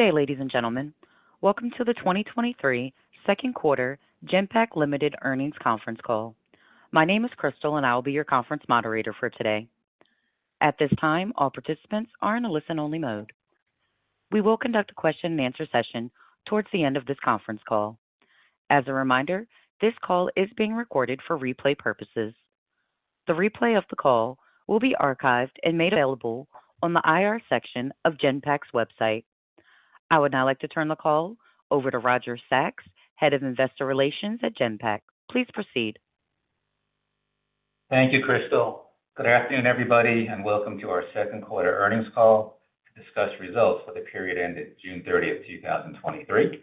Good day, ladies and gentlemen. Welcome to the 2023 Q2 Genpact Limited Earnings Conference Call. My name is Crystal, and I will be your conference moderator for today. At this time, all participants are in a listen-only mode. We will conduct a question-and-answer session towards the end of this conference call. As a reminder, this call is being recorded for replay purposes. The replay of the call will be archived and made available on the IR section of Genpact's website. I would now like to turn the call over to Roger Sachs, Head of Investor Relations at Genpact. Please proceed. Thank you, Crystal. Good afternoon, everybody, and welcome to our Q2 earnings call to discuss results for the period ended June 30th, 2023.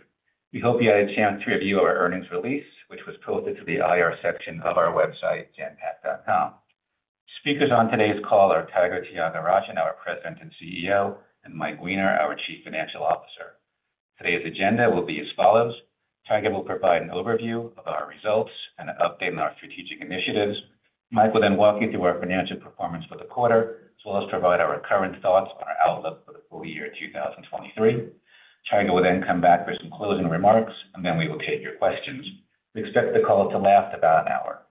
We hope you had a chance to review our earnings release, which was posted to the IR section of our website, genpact.com. Speakers on today's call are Tiger Tyagarajan, our President and CEO, and Mike Weiner, our Chief Financial Officer. Today's agenda will be as follows: Tiger will provide an overview of our results and an update on our strategic initiatives. Mike will then walk you through our financial performance for the quarter, as well as provide our current thoughts on our outlook for the full year 2023. Tiger will then come back for some closing remarks, and then we will take your questions. We expect the call to last about an hour.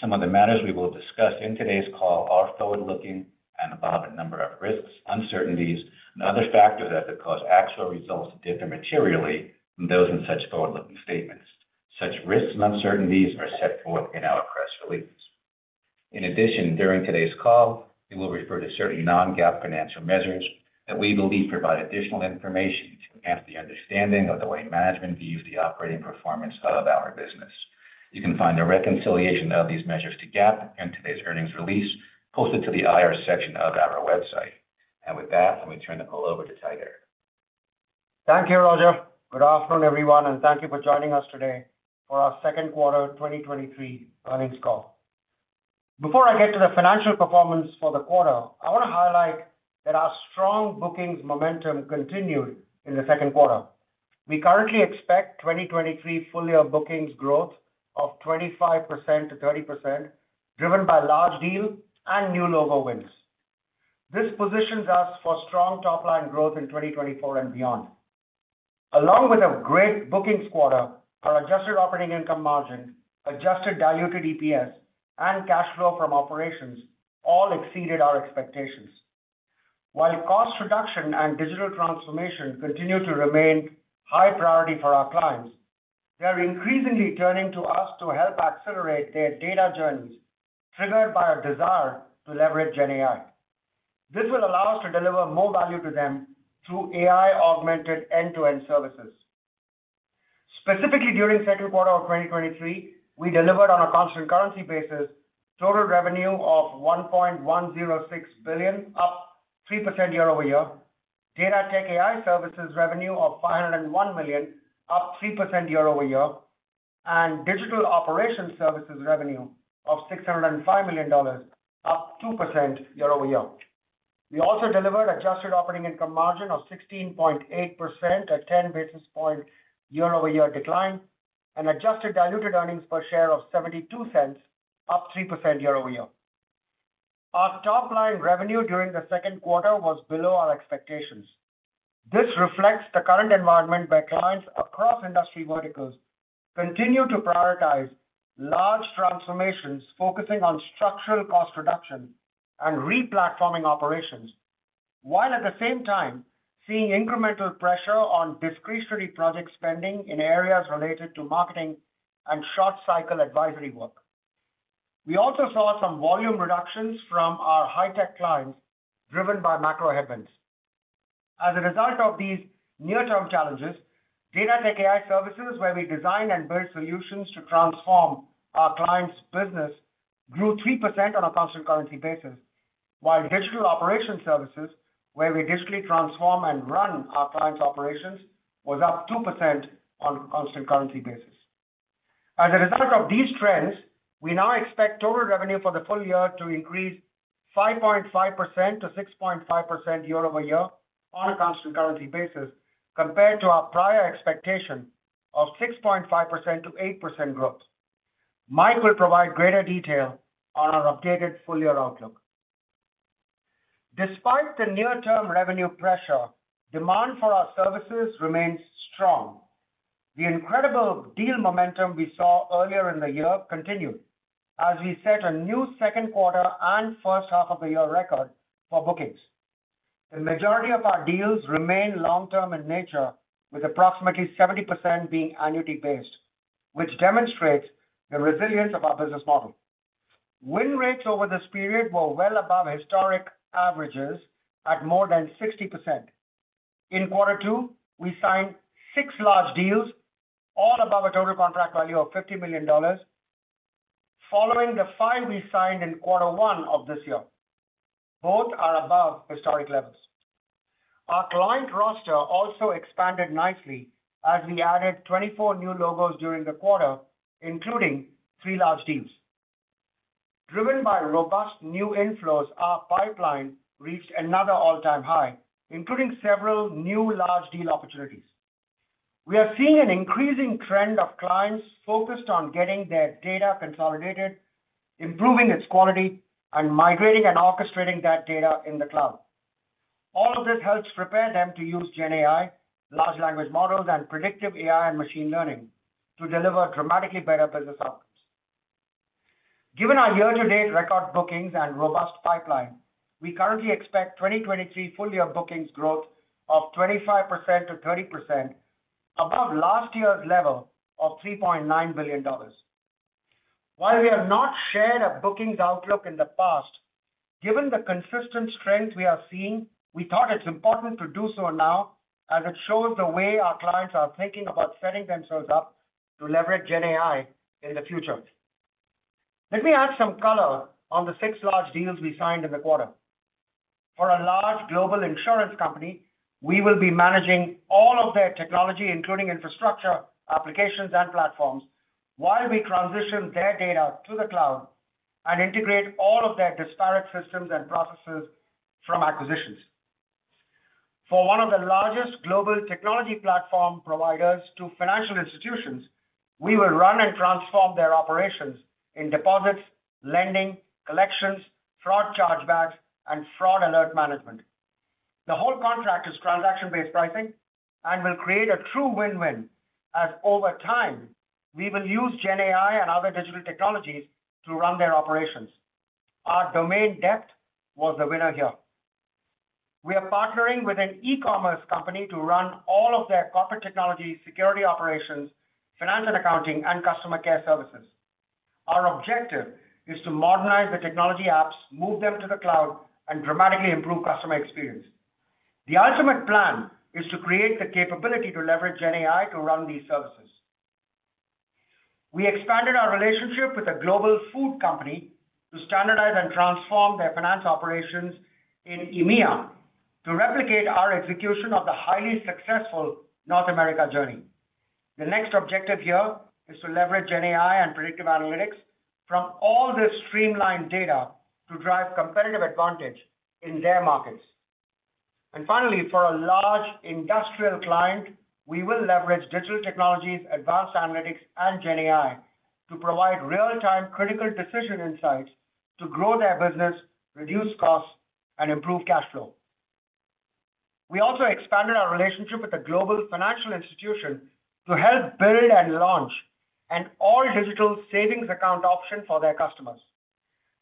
Some of the matters we will discuss in today's call are forward-looking and about a number of risks, uncertainties and other factors that could cause actual results to differ materially from those in such forward-looking statements. Such risks and uncertainties are set forth in our press release. In addition, during today's call, we will refer to certain non-GAAP financial measures that we believe provide additional information to enhance the understanding of the way management views the operating performance of our business. You can find a reconciliation of these measures to GAAP in today's earnings release posted to the IR section of our website. With that, let me turn the call over to Tiger. Thank you, Roger. Good afternoon, everyone, and thank you for joining us today for our Q2 2023 earnings call. Before I get to the financial performance for the quarter, I want to highlight that our strong bookings momentum continued in the Q2. We currently expect 2023 full year bookings growth of 25%-30%, driven by large deals and new logo wins. This positions us for strong top-line growth in 2024 and beyond. Along with a great bookings quarter, our adjusted operating income margin, adjusted diluted EPS, and cash flow from operations all exceeded our expectations. While cost reduction and digital transformation continue to remain high priority for our clients, they are increasingly turning to us to help accelerate their data journeys, triggered by a desire to leverage GenAI. This will allow us to deliver more value to them through AI-augmented end-to-end services. Specifically, during Q2 of 2023, we delivered on a constant currency basis, total revenue of $1.106 billion, up 3% year-over-year, Data-Tech-AI services revenue of $501 million, up 3% year-over-year, and Digital Operations services revenue of $605 million, up 2% year-over-year. We also delivered adjusted operating income margin of 16.8%, a 10 basis point year-over-year decline, and adjusted diluted earnings per share of $0.72, up 3% year-over-year. Our top-line revenue during the Q2 was below our expectations. This reflects the current environment, where clients across industry verticals continue to prioritize large transformations, focusing on structural cost reduction and replatforming operations, while at the same time seeing incremental pressure on discretionary project spending in areas related to marketing and short cycle advisory work. We also saw some volume reductions from our high-tech clients, driven by macro headwinds. As a result of these near-term challenges, Data-Tech-AI services, where we design and build solutions to transform our clients' business, grew 3% on a constant currency basis, while Digital Operations services, where we digitally transform and run our clients' operations, was up 2% on a constant currency basis. As a result of these trends, we now expect total revenue for the full year to increase 5.5%-6.5% year-over-year on a constant currency basis, compared to our prior expectation of 6.5%-8% growth. Mike will provide greater detail on our updated full year outlook. Despite the near-term revenue pressure, demand for our services remains strong. The incredible deal momentum we saw earlier in the year continued as we set a new Q2 and first half of the year record for bookings. The majority of our deals remain long-term in nature, with approximately 70% being annuity-based, which demonstrates the resilience of our business model. Win rates over this period were well above historic averages at more than 60%. In quarter two, we signed six large deals, all above a total contract value of $50 million, following the five we signed in quarter one of this year. Both are above historic levels. Our client roster also expanded nicely as we added 24 new logos during the quarter, including three large deals. Driven by robust new inflows, our pipeline reached another all-time high, including several new large deal opportunities.... We are seeing an increasing trend of clients focused on getting their data consolidated, improving its quality, and migrating and orchestrating that data in the cloud. All of this helps prepare them to use GenAI, large language models, and predictive AI and machine learning to deliver dramatically better business outcomes. Given our year-to-date record bookings and robust pipeline, we currently expect 2023 full year bookings growth of 25%-30%, above last year's level of $3.9 billion. While we have not shared a bookings outlook in the past, given the consistent strength we are seeing, we thought it's important to do so now, as it shows the way our clients are thinking about setting themselves up to leverage GenAI in the future. Let me add some color on the six large deals we signed in the quarter. For a large global insurance company, we will be managing all of their technology, including infrastructure, applications, and platforms, while we transition their data to the cloud and integrate all of their disparate systems and processes from acquisitions. For one of the largest global technology platform providers to financial institutions, we will run and transform their operations in deposits, lending, collections, fraud chargebacks, and fraud alert management. The whole contract is transaction-based pricing and will create a true win-win, as over time, we will use GenAI and other digital technologies to run their operations. Our domain depth was the winner here. We are partnering with an e-commerce company to run all of their corporate technology, security operations, finance and accounting, and customer care services. Our objective is to modernize the technology apps, move them to the cloud, and dramatically improve customer experience. The ultimate plan is to create the capability to leverage GenAI to run these services. We expanded our relationship with a global food company to standardize and transform their finance operations in EMEA, to replicate our execution of the highly successful North America journey. The next objective here is to leverage GenAI and predictive analytics from all this streamlined data to drive competitive advantage in their markets. Finally, for a large industrial client, we will leverage digital technologies, advanced analytics, and GenAI to provide real-time critical decision insights to grow their business, reduce costs, and improve cash flow. We also expanded our relationship with a global financial institution to help build and launch an all-digital savings account option for their customers.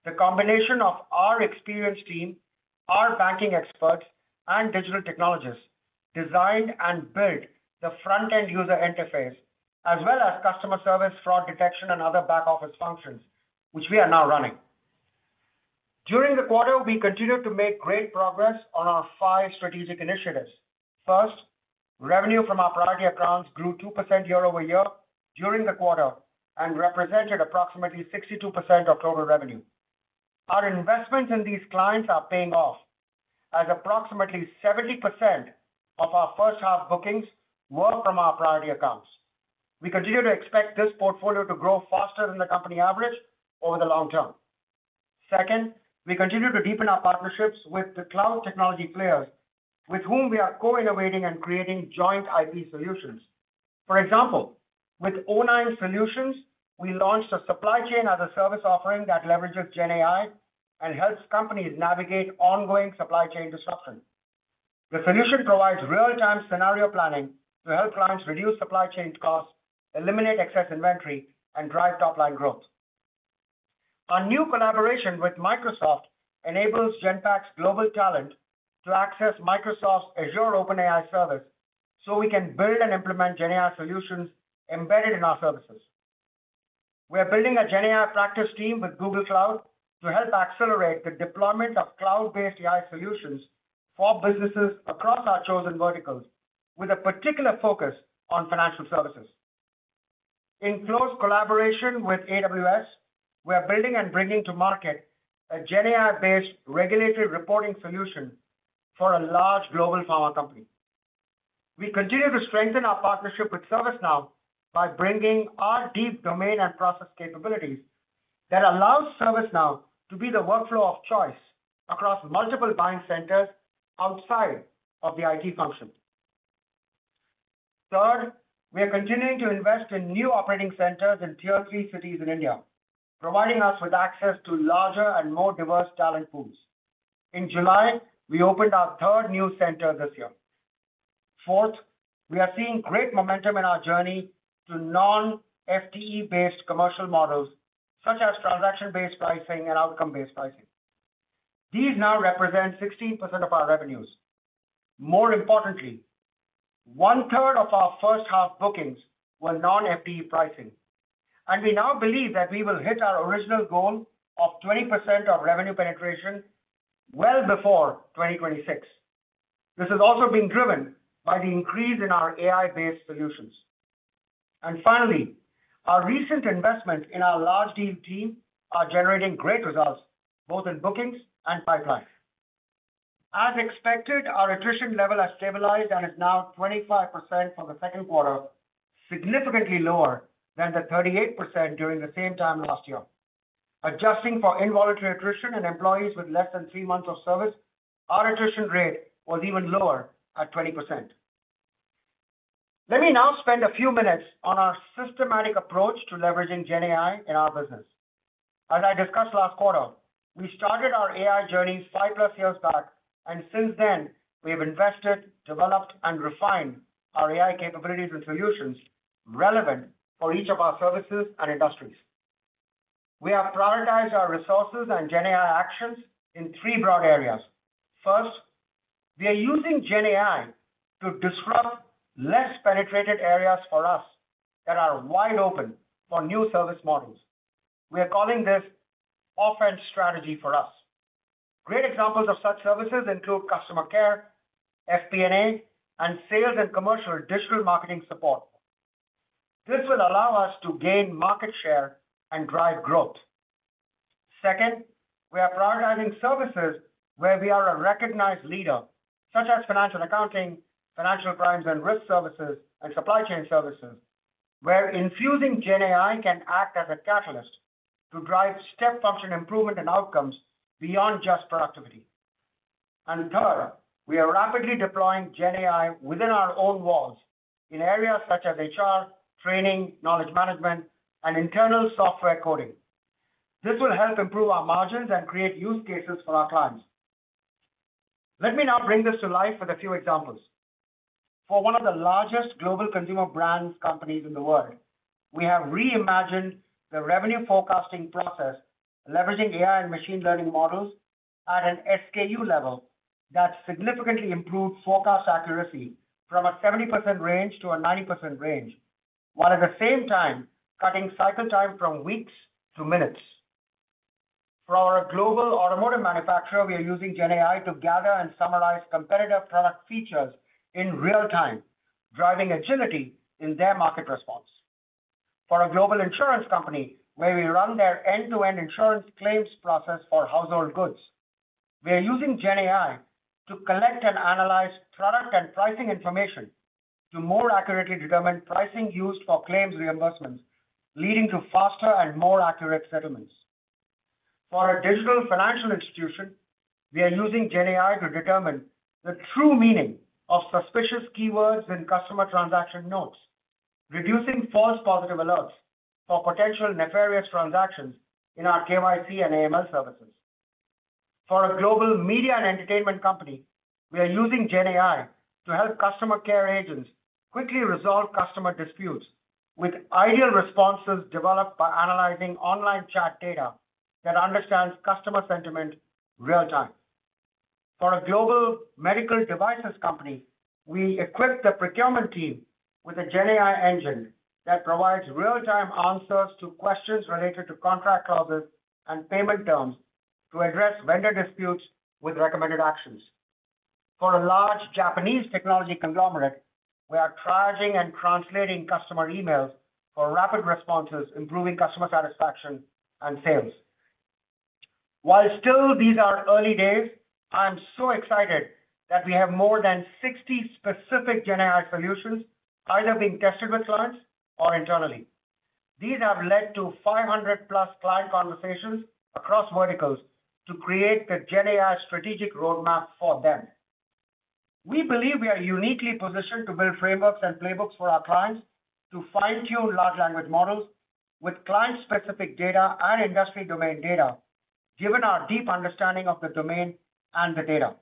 The combination of our experienced team, our banking experts, and digital technologists designed and built the front-end user interface, as well as customer service, fraud detection, and other back-office functions, which we are now running. During the quarter, we continued to make great progress on our 5 strategic initiatives. First, revenue from our priority accounts grew 2% year-over-year during the quarter and represented approximately 62% of total revenue. Our investments in these clients are paying off, as approximately 70% of our first half bookings were from our priority accounts. We continue to expect this portfolio to grow faster than the company average over the long term. Second, we continue to deepen our partnerships with the cloud technology players, with whom we are co-innovating and creating joint IP solutions. For example, with o9 Solutions, we launched a supply chain as a service offering that leverages GenAI and helps companies navigate ongoing supply chain disruption. The solution provides real-time scenario planning to help clients reduce supply chain costs, eliminate excess inventory, and drive top-line growth. Our new collaboration with Microsoft enables Genpact's global talent to access Microsoft's Azure OpenAI service, so we can build and implement GenAI solutions embedded in our services. We are building a GenAI practice team with Google Cloud to help accelerate the deployment of cloud-based AI solutions for businesses across our chosen verticals, with a particular focus on financial services. In close collaboration with AWS, we are building and bringing to market a GenAI-based regulatory reporting solution for a large global pharma company. We continue to strengthen our partnership with ServiceNow by bringing our deep domain and process capabilities that allows ServiceNow to be the workflow of choice across multiple buying centers outside of the IT function. Third, we are continuing to invest in new operating centers in Tier Three cities in India, providing us with access to larger and more diverse talent pools. In July, we opened our third new center this year. Fourth, we are seeing great momentum in our journey to non-FTE-based commercial models, such as transaction-based pricing and outcome-based pricing. These now represent 16% of our revenues. More importantly, one-third of our first half bookings were non-FTE pricing, and we now believe that we will hit our original goal of 20% of revenue penetration well before 2026. This is also being driven by the increase in our AI-based solutions. Finally, our recent investment in our large deal team are generating great results, both in bookings and pipeline. As expected, our attrition level has stabilized and is now 25% for the Q2, significantly lower than the 38% during the same time last year. Adjusting for involuntary attrition and employees with less than 3 months of service, our attrition rate was even lower at 20%. Let me now spend a few minutes on our systematic approach to leveraging GenAI in our business. As I discussed last quarter, we started our AI journey 5+ years back. Since then, we have invested, developed, and refined our AI capabilities and solutions relevant for each of our services and industries. We have prioritized our resources and GenAI actions in 3 broad areas. First, we are using GenAI to disrupt less penetrated areas for us that are wide open for new service models. We are calling this offense strategy for us. Great examples of such services include customer care, FP&A, and sales and commercial digital marketing support. This will allow us to gain market share and drive growth. Second, we are prioritizing services where we are a recognized leader, such as financial accounting, financial crimes and risk services, and supply chain services, where infusing GenAI can act as a catalyst to drive step function improvement and outcomes beyond just productivity. Third, we are rapidly deploying GenAI within our own walls in areas such as HR, training, knowledge management, and internal software coding. This will help improve our margins and create use cases for our clients. Let me now bring this to life with a few examples. For one of the largest global consumer brands companies in the world, we have reimagined the revenue forecasting process, leveraging AI and machine learning models at an SKU level that significantly improved forecast accuracy from a 70% range to a 90% range, while at the same time cutting cycle time from weeks to minutes. For our global automotive manufacturer, we are using GenAI to gather and summarize competitive product features in real time, driving agility in their market response. For a global insurance company, where we run their end-to-end insurance claims process for household goods, we are using GenAI to collect and analyze product and pricing information to more accurately determine pricing used for claims reimbursements, leading to faster and more accurate settlements. For a digital financial institution, we are using GenAI to determine the true meaning of suspicious keywords in customer transaction notes, reducing false positive alerts for potential nefarious transactions in our KYC and AML services. For a global media and entertainment company, we are using GenAI to help customer care agents quickly resolve customer disputes with ideal responses developed by analyzing online chat data that understands customer sentiment real time. For a global medical devices company, we equipped the procurement team with a GenAI engine that provides real-time answers to questions related to contract clauses and payment terms to address vendor disputes with recommended actions. For a large Japanese technology conglomerate, we are triaging and translating customer emails for rapid responses, improving customer satisfaction and sales. While still these are early days, I am so excited that we have more than 60 specific GenAI solutions either being tested with clients or internally. These have led to 500+ client conversations across verticals to create the GenAI strategic roadmap for them. We believe we are uniquely positioned to build frameworks and playbooks for our clients to fine-tune large language models with client-specific data and industry domain data, given our deep understanding of the domain and the data.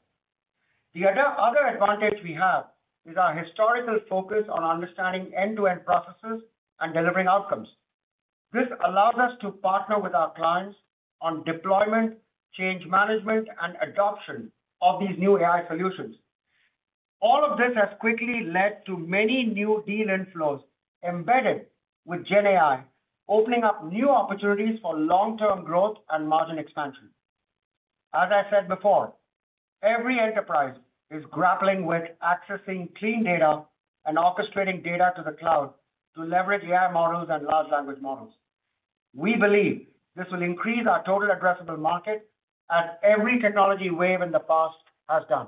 The other, other advantage we have is our historical focus on understanding end-to-end processes and delivering outcomes. This allows us to partner with our clients on deployment, change management, and adoption of these new AI solutions. All of this has quickly led to many new deal inflows embedded with GenAI, opening up new opportunities for long-term growth and margin expansion. As I said before, every enterprise is grappling with accessing clean data and orchestrating data to the cloud to leverage AI models and large language models. We believe this will increase our total addressable market, as every technology wave in the past has done.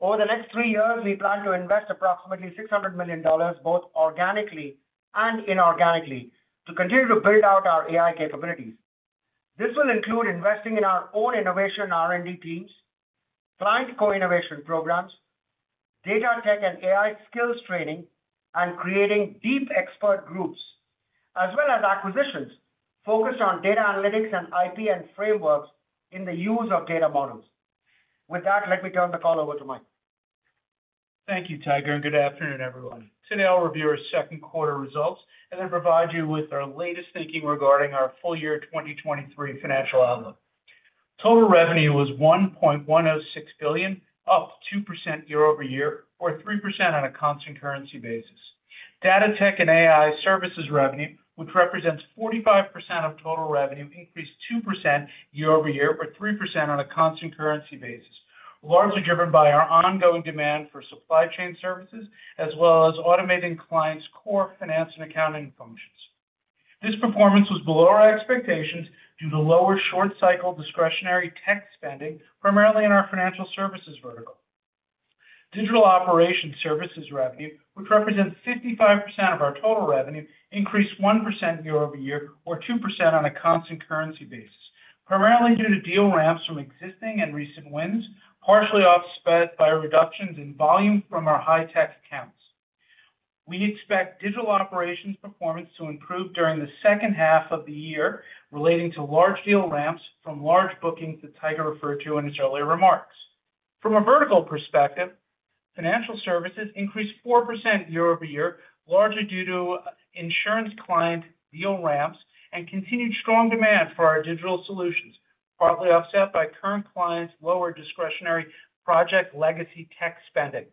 Over the next three years, we plan to invest approximately $600 million, both organically and inorganically, to continue to build out our AI capabilities. This will include investing in our own innovation R&D teams, client co-innovation programs, data tech and AI skills training, and creating deep expert groups, as well as acquisitions focused on data analytics and IP and frameworks in the use of data models. With that, let me turn the call over to Mike. Thank you, Tiger. Good afternoon, everyone. Today, I'll review our Q2 results and then provide you with our latest thinking regarding our full year 2023 financial outlook. Total revenue was $1.106 billion, up 2% year-over-year, or 3% on a constant currency basis. Data-Tech-AI services revenue, which represents 45% of total revenue, increased 2% year-over-year, or 3% on a constant currency basis, largely driven by our ongoing demand for supply chain services, as well as automating clients' core finance and accounting functions. This performance was below our expectations due to lower short cycle discretionary tech spending, primarily in our financial services vertical.... Digital Operations services revenue, which represents 55% of our total revenue, increased 1% year-over-year, or 2% on a constant currency basis, primarily due to deal ramps from existing and recent wins, partially offset by reductions in volume from our high-tech accounts. We expect Digital Operations performance to improve during the second half of the year, relating to large deal ramps from large bookings that Tiger referred to in his earlier remarks. From a vertical perspective, financial services increased 4% year-over-year, largely due to insurance client deal ramps and continued strong demand for our digital solutions, partly offset by current clients' lower discretionary project legacy tech spending.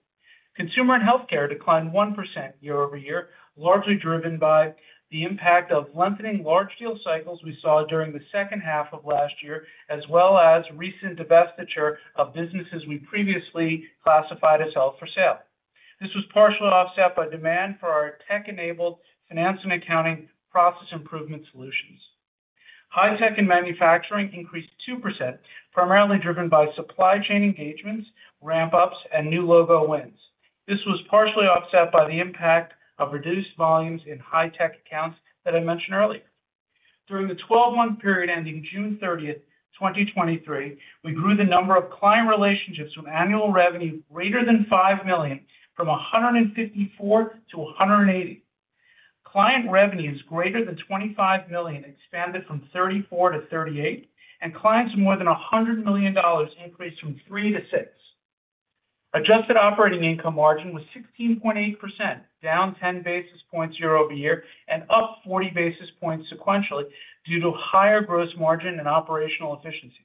Consumer and healthcare declined 1% year-over-year, largely driven by the impact of lengthening large deal cycles we saw during the second half of last year, as well as recent divestiture of businesses we previously classified as held for sale. This was partially offset by demand for our tech-enabled finance and accounting process improvement solutions. High-tech and manufacturing increased 2%, primarily driven by supply chain engagements, ramp-ups, and new logo wins. This was partially offset by the impact of reduced volumes in high-tech accounts that I mentioned earlier. During the 12-month period ending June 30, 2023, we grew the number of client relationships from annual revenue greater than $5 million, from 154 to 180. Client revenues greater than $25 million expanded from 34 to 38, and clients more than $100 million increased from 3 to 6. Adjusted operating income margin was 16.8%, down 10 basis points year-over-year, and up 40 basis points sequentially due to higher gross margin and operational efficiencies.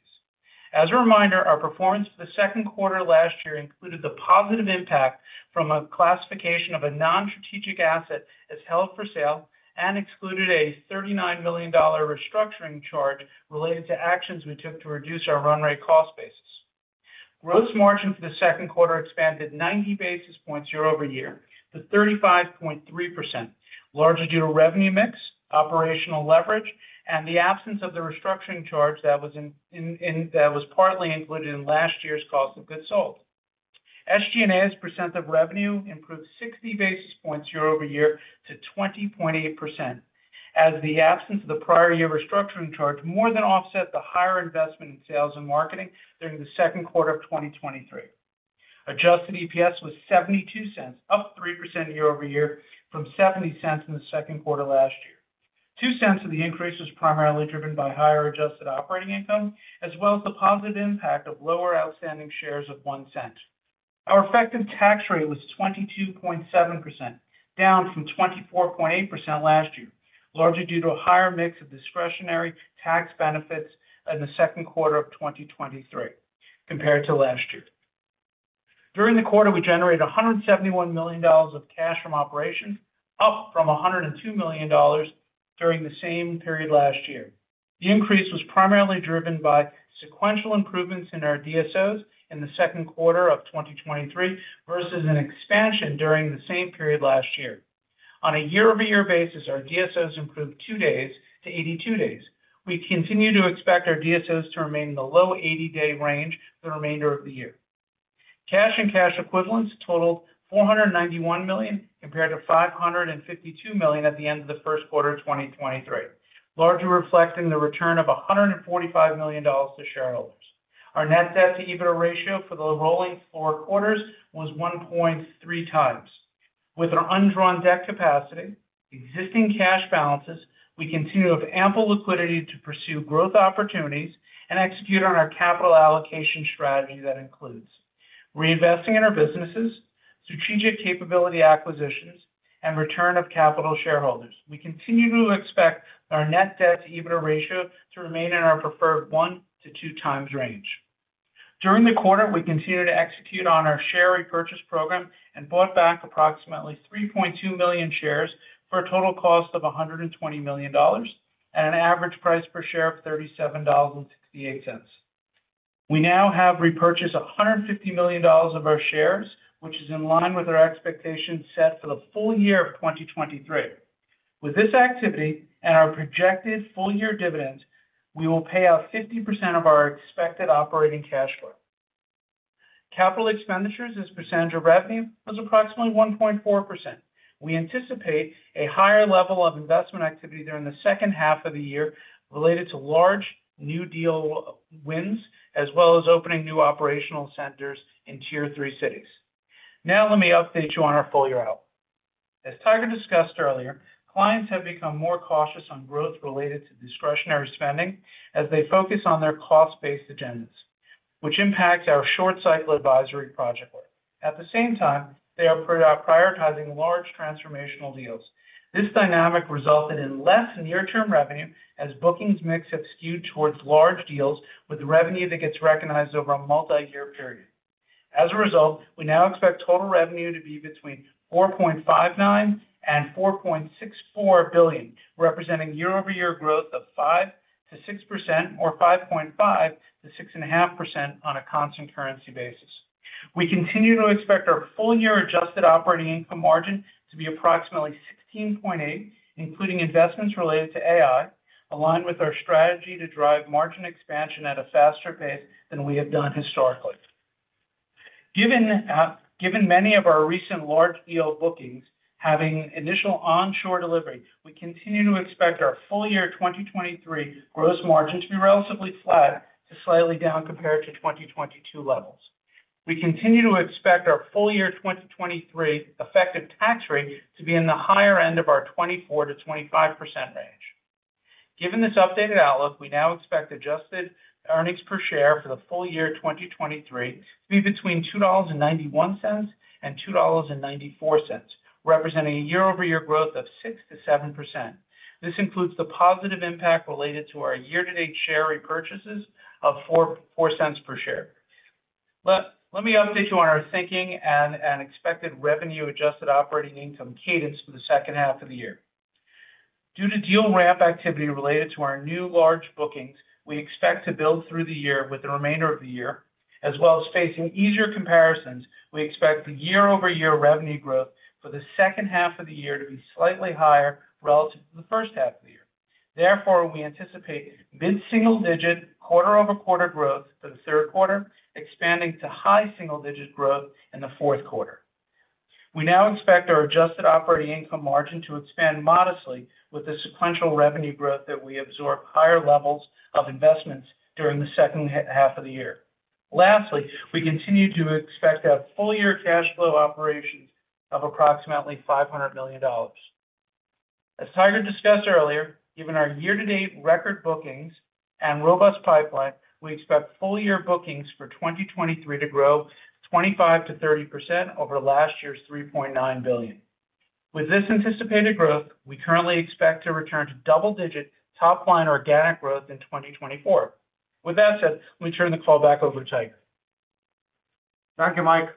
As a reminder, our performance for the Q2 last year included the positive impact from a classification of a non-strategic asset as held for sale, and excluded a $39 million restructuring charge related to actions we took to reduce our run rate cost basis. Gross margin for the Q2 expanded 90 basis points year-over-year to 35.3%, largely due to revenue mix, operational leverage, and the absence of the restructuring charge that was that was partly included in last year's cost of goods sold. SG&A as a % of revenue improved 60 basis points year-over-year to 20.8%, as the absence of the prior year restructuring charge more than offset the higher investment in sales and marketing during the Q2 of 2023. Adjusted EPS was $0.72, up 3% year-over-year from $0.70 in the Q2 last year. $0.02 of the increase was primarily driven by higher adjusted operating income, as well as the positive impact of lower outstanding shares of $0.01. Our effective tax rate was 22.7%, down from 24.8% last year, largely due to a higher mix of discretionary tax benefits in the Q2 of 2023 compared to last year. During the quarter, we generated $171 million of cash from operations, up from $102 million during the same period last year. The increase was primarily driven by sequential improvements in our DSOs in the Q2 of 2023 versus an expansion during the same period last year. On a year-over-year basis, our DSOs improved two days to 82 days. We continue to expect our DSOs to remain in the low 80-day range for the remainder of the year. Cash and cash equivalents totaled $491 million, compared to $552 million at the end of the Q1 of 2023, largely reflecting the return of $145 million to shareholders. Our net debt to EBITDA ratio for the rolling four quarters was 1.3 times. With our undrawn debt capacity, existing cash balances, we continue to have ample liquidity to pursue growth opportunities and execute on our capital allocation strategy that includes reinvesting in our businesses, strategic capability acquisitions, and return of capital to shareholders. We continue to expect our net debt to EBITDA ratio to remain in our preferred 1-2 times range. During the quarter, we continued to execute on our share repurchase program and bought back approximately 3.2 million shares for a total cost of $120 million at an average price per share of $37.68. We now have repurchased $150 million of our shares, which is in line with our expectations set for the full year of 2023. With this activity and our projected full-year dividends, we will pay out 50% of our expected operating cash flow. Capital expenditures as a percentage of revenue was approximately 1.4%. We anticipate a higher level of investment activity during the second half of the year related to large new deal wins, as well as opening new operational centers in Tier Three cities. Now, let me update you on our full-year outlook. As Tiger discussed earlier, clients have become more cautious on growth related to discretionary spending as they focus on their cost-based agendas, which impacts our short-cycle advisory project work. At the same time, they are prioritizing large transformational deals. This dynamic resulted in less near-term revenue, as bookings mix have skewed towards large deals with revenue that gets recognized over a multiyear period. As a result, we now expect total revenue to be between $4.59 billion and $4.64 billion, representing year-over-year growth of 5%-6%, or 5.5%-6.5% on a constant currency basis. We continue to expect our full-year adjusted operating income margin to be approximately 16.8%, including investments related to AI, aligned with our strategy to drive margin expansion at a faster pace than we have done historically.... Given, given many of our recent large deal bookings having initial onshore delivery, we continue to expect our full year 2023 gross margin to be relatively flat to slightly down compared to 2022 levels. We continue to expect our full year 2023 effective tax rate to be in the higher end of our 24%-25% range. Given this updated outlook, we now expect adjusted earnings per share for the full year 2023 to be between $2.91 and $2.94, representing a year-over-year growth of 6%-7%. This includes the positive impact related to our year-to-date share repurchases of $0.04 per share. Let, let me update you on our thinking and, and expected revenue adjusted operating income cadence for the second half of the year. Due to deal ramp activity related to our new large bookings, we expect to build through the year with the remainder of the year, as well as facing easier comparisons, we expect the year-over-year revenue growth for the second half of the year to be slightly higher relative to the first half of the year. Therefore, we anticipate mid-single digit quarter-over-quarter growth for the Q3, expanding to high single digit growth in the Q4. We now expect our adjusted operating income margin to expand modestly with the sequential revenue growth that we absorb higher levels of investments during the second half of the year. Lastly, we continue to expect a full-year cash flow operations of approximately $500 million. As Tiger discussed earlier, given our year-to-date record bookings and robust pipeline, we expect full-year bookings for 2023 to grow 25%-30% over last year's $3.9 billion. With this anticipated growth, we currently expect to return to double-digit top line organic growth in 2024. With that said, let me turn the call back over to Tiger. Thank you, Mike.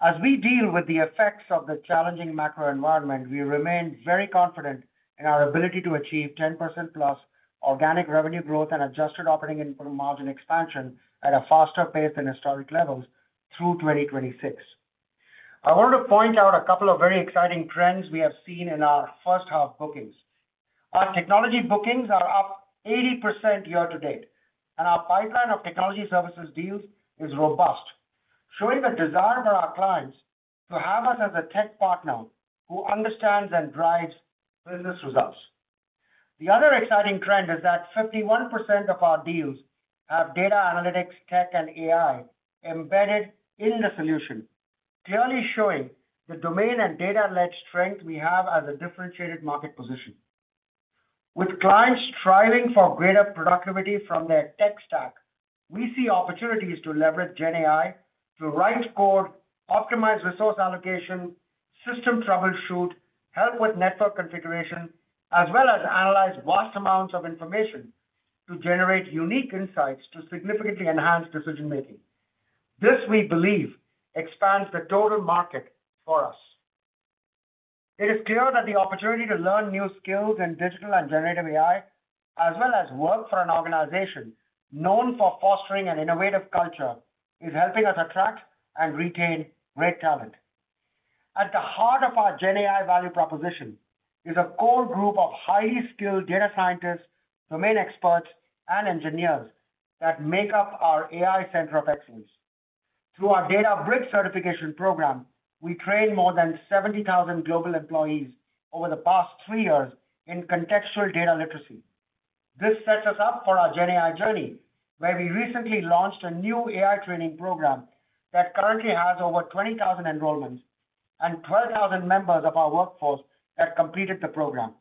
As we deal with the effects of the challenging macro environment, we remain very confident in our ability to achieve 10% plus organic revenue growth and adjusted operating income margin expansion at a faster pace than historic levels through 2026. I want to point out a couple of very exciting trends we have seen in our first half bookings. Our technology bookings are up 80% year to date, and our pipeline of technology services deals is robust, showing the desire for our clients to have us as a tech partner who understands and drives business results. The other exciting trend is that 51% of our deals have data analytics, tech, and AI embedded in the solution, clearly showing the domain and data-led strength we have as a differentiated market position. With clients striving for greater productivity from their tech stack, we see opportunities to leverage GenAI to write code, optimize resource allocation, system troubleshoot, help with network configuration, as well as analyze vast amounts of information to generate unique insights to significantly enhance decision making. This, we believe, expands the total market for us. It is clear that the opportunity to learn new skills in digital and generative AI, as well as work for an organization known for fostering an innovative culture, is helping us attract and retain great talent. At the heart of our GenAI value proposition is a core group of highly skilled data scientists, domain experts, and engineers that make up our AI Center of Excellence. Through our DataBridge certification program, we trained more than 70,000 global employees over the past three years in contextual data literacy. This sets us up for our GenAI journey, where we recently launched a new AI training program that currently has over 20,000 enrollments and 12,000 members of our workforce that completed the program.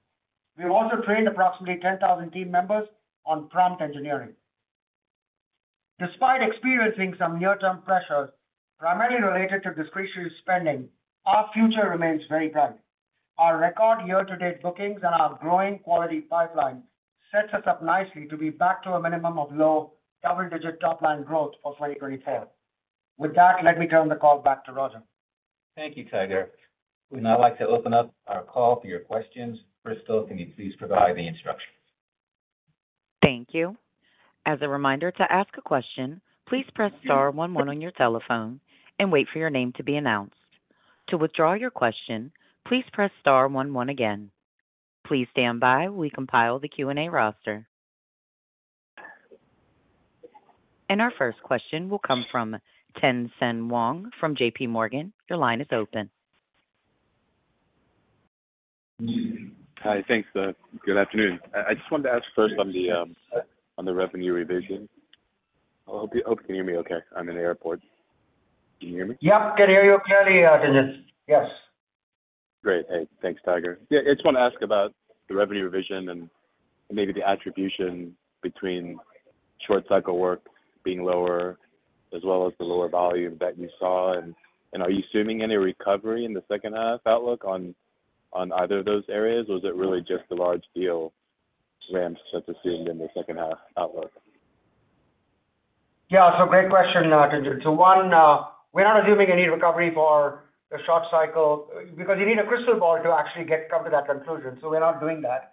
We've also trained approximately 10,000 team members on prompt engineering. Despite experiencing some near-term pressures, primarily related to discretionary spending, our future remains very bright. Our record year-to-date bookings and our growing quality pipeline sets us up nicely to be back to a minimum of low double-digit top-line growth for 2024. With that, let me turn the call back to Roger. Thank you, Tiger. We'd now like to open up our call to your questions. Crystal, can you please provide the instructions? Thank you. As a reminder to ask a question, please press star one one on your telephone and wait for your name to be announced. To withdraw your question, please press star one one again. Please stand by while we compile the Q&A roster. Our first question will come from Tien-Tsin Huang from J.P. Morgan. Your line is open. Hi, thanks. Good afternoon. I, I just wanted to ask first on the revenue revision. I hope you can hear me okay. I'm in the airport. Can you hear me? Yep, can hear you clearly, Tien-Tsin, yes. Great. Hey, thanks, Tiger. Yeah, I just want to ask about the revenue revision and maybe the attribution between short cycle work being lower, as well as the lower volume that you saw. Are you assuming any recovery in the second half outlook on either of those areas? Or is it really just the large deal ramps that you're seeing in the second half outlook? Yeah. Great question, Tsen. One, we're not assuming any recovery for the short cycle because you need a crystal ball to actually come to that conclusion, so we're not doing that.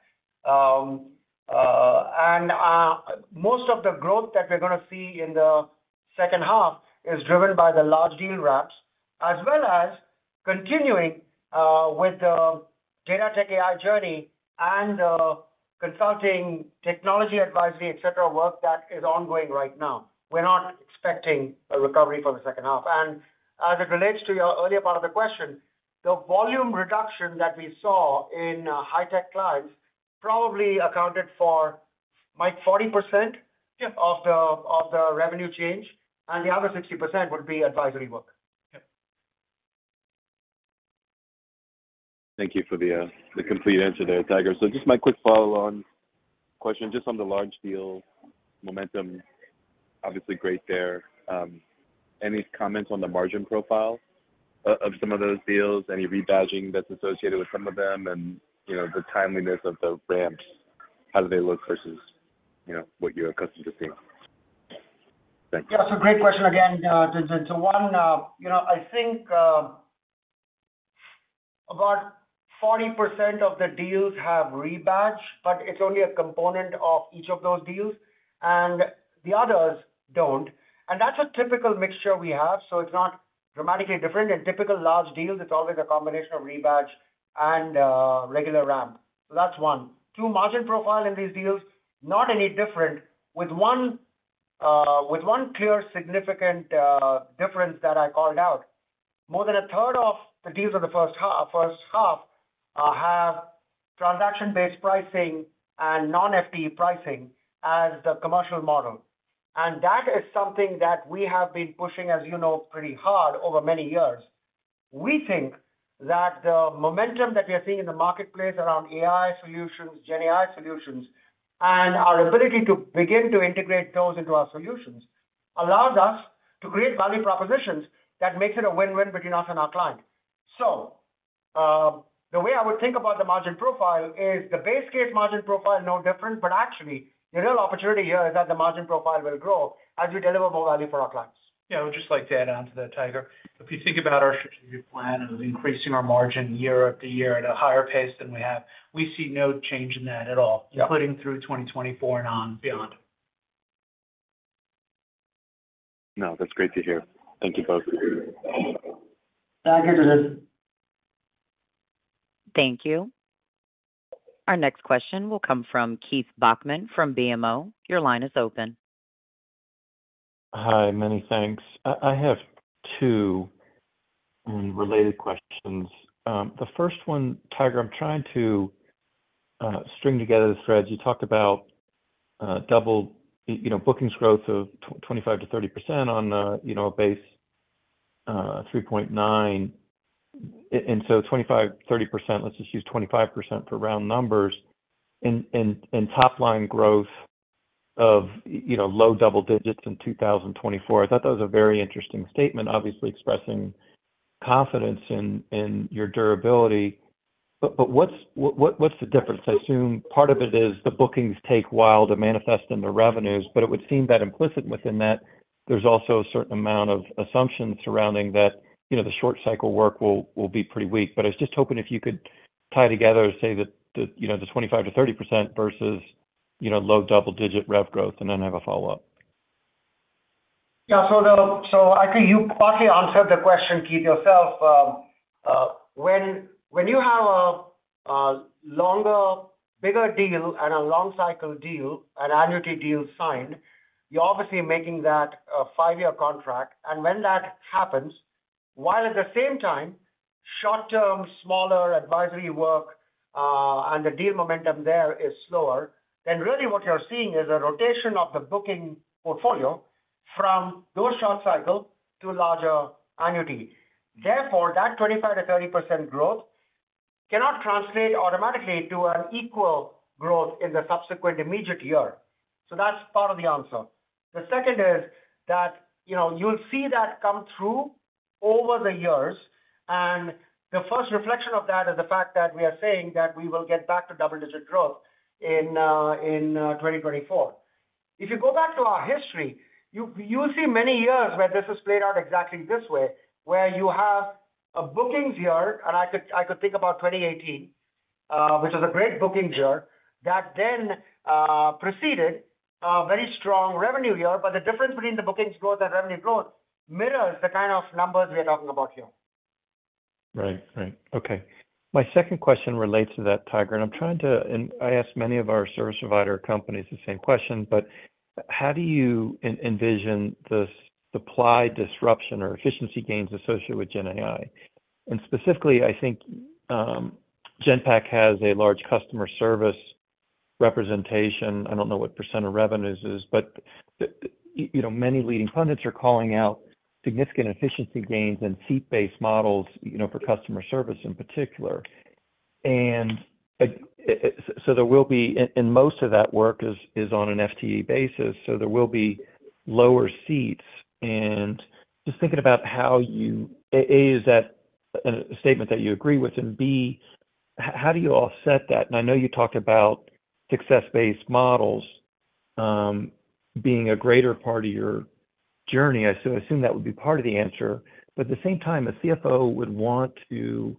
Most of the growth that we're going to see in the second half is driven by the large deal ramps, as well as continuing with the Data-Tech-AI journey and consulting technology advisory, et cetera, work that is ongoing right now. We're not expecting a recovery for the second half. As it relates to your earlier part of the question, the volume reduction that we saw in high tech clients probably accounted for, like, 40% of the, of the revenue change, and the other 60% would be advisory work. Thank you for the complete answer there, Tiger. Just my quick follow-on question, just on the large deal momentum, obviously great there. Any comments on the margin profile o-of some of those deals? Any rebadging that's associated with some of them and, you know, the timeliness of the ramps, how do they look versus, you know, what you're accustomed to seeing? Thank you. Yeah, so great question again. To one, you know, I think, about 40% of the deals have rebadge, but it's only a component of each of those deals, and the others don't. That's a typical mixture we have, so it's not dramatically different. In typical large deals, it's always a combination of rebadge and regular ramp. That's one. Two, margin profile in these deals, not any different, with one, with one clear significant difference that I called out. More than a third of the deals of the first half, first half, have transaction-based pricing and non-FTE pricing as the commercial model. That is something that we have been pushing, as you know, pretty hard over many years. We think that the momentum that we are seeing in the marketplace around AI solutions, GenAI solutions, and our ability to begin to integrate those into our solutions, allows us to create value propositions that makes it a win-win between us and our client. The way I would think about the margin profile is the base case margin profile, no different, but actually, the real opportunity here is that the margin profile will grow as we deliver more value for our clients. Yeah, I would just like to add on to that, Tiger. If you think about our strategic plan of increasing our margin year-over-year at a higher pace than we have, we see no change in that at all- Yeah. including through 2024 and on beyond. No, that's great to hear. Thank you, both. Tiger, this is... Thank you. Our next question will come from Keith Bachman from BMO. Your line is open. Hi, many thanks. I have two related questions. The first one, Tiger, I'm trying to string together the threads. You talked about double, you know, bookings growth of 25%-30% on, you know, a base $3.9. So 25%, 30%, let's just use 25% for round numbers, and, and, and top line growth of, you know, low double digits in 2024. I thought that was a very interesting statement, obviously expressing confidence in, in your durability. But what's the difference? I assume part of it is the bookings take a while to manifest in the revenues, but it would seem that implicit within that, there's also a certain amount of assumption surrounding that, you know, the short cycle work will, will be pretty weak. I was just hoping if you could tie together and say that the, you know, the 25%-30% versus, you know, low double-digit rev growth, and then I have a follow-up. Yeah. So I think you partly answered the question, Keith, yourself. when, when you have a, a longer, bigger deal and a long cycle deal, an annuity deal signed, you're obviously making that a 5-year contract. When that happens, while at the same time, short-term, smaller advisory work, and the deal momentum there is slower, then really what you're seeing is a rotation of the booking portfolio from those short cycle to larger annuity. Therefore, that 25%-30% growth cannot translate automatically to an equal growth in the subsequent immediate year. That's part of the answer. The second is that, you know, you'll see that come through over the years, and the first reflection of that is the fact that we are saying that we will get back to double-digit growth in, in, 2024. If you go back to our history, you'll see many years where this is played out exactly this way, where you have a bookings year, and I could, I could think about 2018, which is a great bookings year, that then preceded a very strong revenue year, but the difference between the bookings growth and revenue growth mirrors the kind of numbers we are talking about here. Right. Right. Okay. My second question relates to that, Tiger, and I'm trying to... I ask many of our service provider companies the same question, but how do you envision the supply disruption or efficiency gains associated with GenAI? Specifically, I think, Genpact has a large customer service representation. I don't know what percent of revenues is, but the, you know, many leading pundits are calling out significant efficiency gains and seat-based models, you know, for customer service in particular. So there will be most of that work is, is on an FTE basis, so there will be lower seats. Just thinking about how you, A, is that, a statement that you agree with? B, how do you offset that? I know you talked about success-based models, being a greater part of your journey. I assume that would be part of the answer. At the same time, a CFO would want to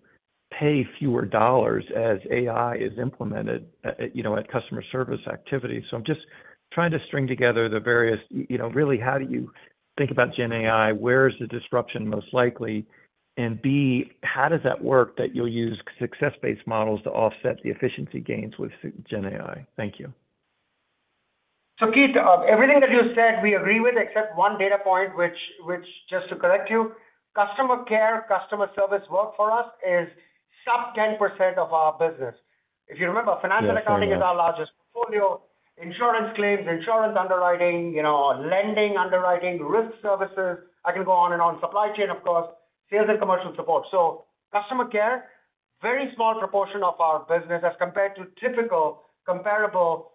pay fewer dollars as AI is implemented, you know, at customer service activities. I'm just trying to string together the various you know, really, how do you think about GenAI? Where is the disruption most likely? B, how does that work that you'll use success-based models to offset the efficiency gains with GenAI? Thank you. Keith, everything that you said, we agree with, except one data point, which, which just to correct you, customer care, customer service work for us is sub 10% of our business. If you remember, financial accounting is our largest portfolio, insurance claims, insurance underwriting, you know, lending, underwriting, risk services. I can go on and on, supply chain, of course, sales and commercial support. Customer care, very small proportion of our business as compared to typical comparable,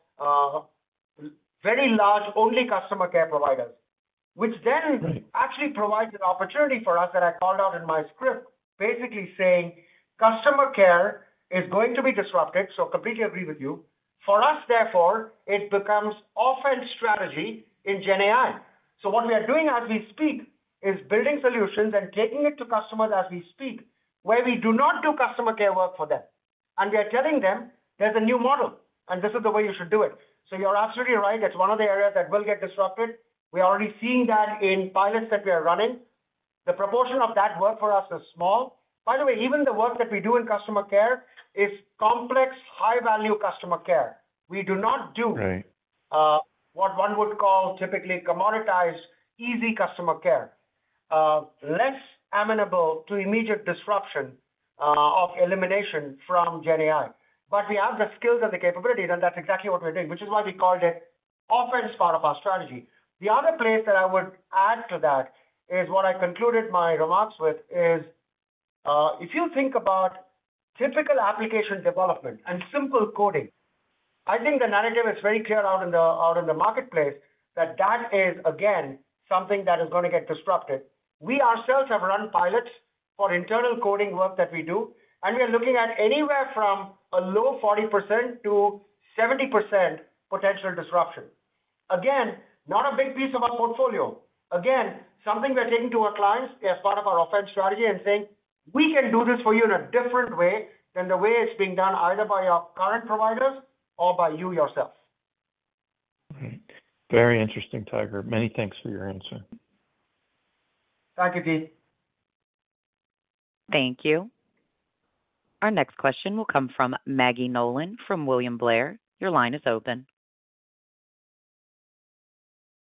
very large, only customer care providers. Which then actually provides an opportunity for us that I called out in my script, basically saying customer care is going to be disrupted. Completely agree with you. For us, therefore, it becomes offense strategy in GenAI. What we are doing as we speak is building solutions and taking it to customers as we speak, where we do not do customer care work for them, and we are telling them there's a new model, and this is the way you should do it. You're absolutely right. That's one of the areas that will get disrupted. We're already seeing that in pilots that we are running. The proportion of that work for us is small. By the way, even the work that we do in customer care is complex, high-value customer care. We do not do. Right. What one would call typically commoditized, easy customer care. Less amenable to immediate disruption of elimination from GenAI. We have the skills and the capability, and that's exactly what we're doing, which is why we called it offense part of our strategy. The other place that I would add to that is what I concluded my remarks with is, if you think about typical application development and simple coding, I think the narrative is very clear out in the, out in the marketplace, that that is, again, something that is gonna get disrupted. We ourselves have run pilots for internal coding work that we do, and we are looking at anywhere from a low 40% to 70% potential disruption. Again, not a big piece of our portfolio. Again, something we're taking to our clients as part of our offense strategy and saying, "We can do this for you in a different way than the way it's being done, either by your current providers or by you yourself. All right. Very interesting, Tiger. Many thanks for your answer. Thank you, Keith. Thank you. Our next question will come from Maggie Nolan from William Blair. Your line is open.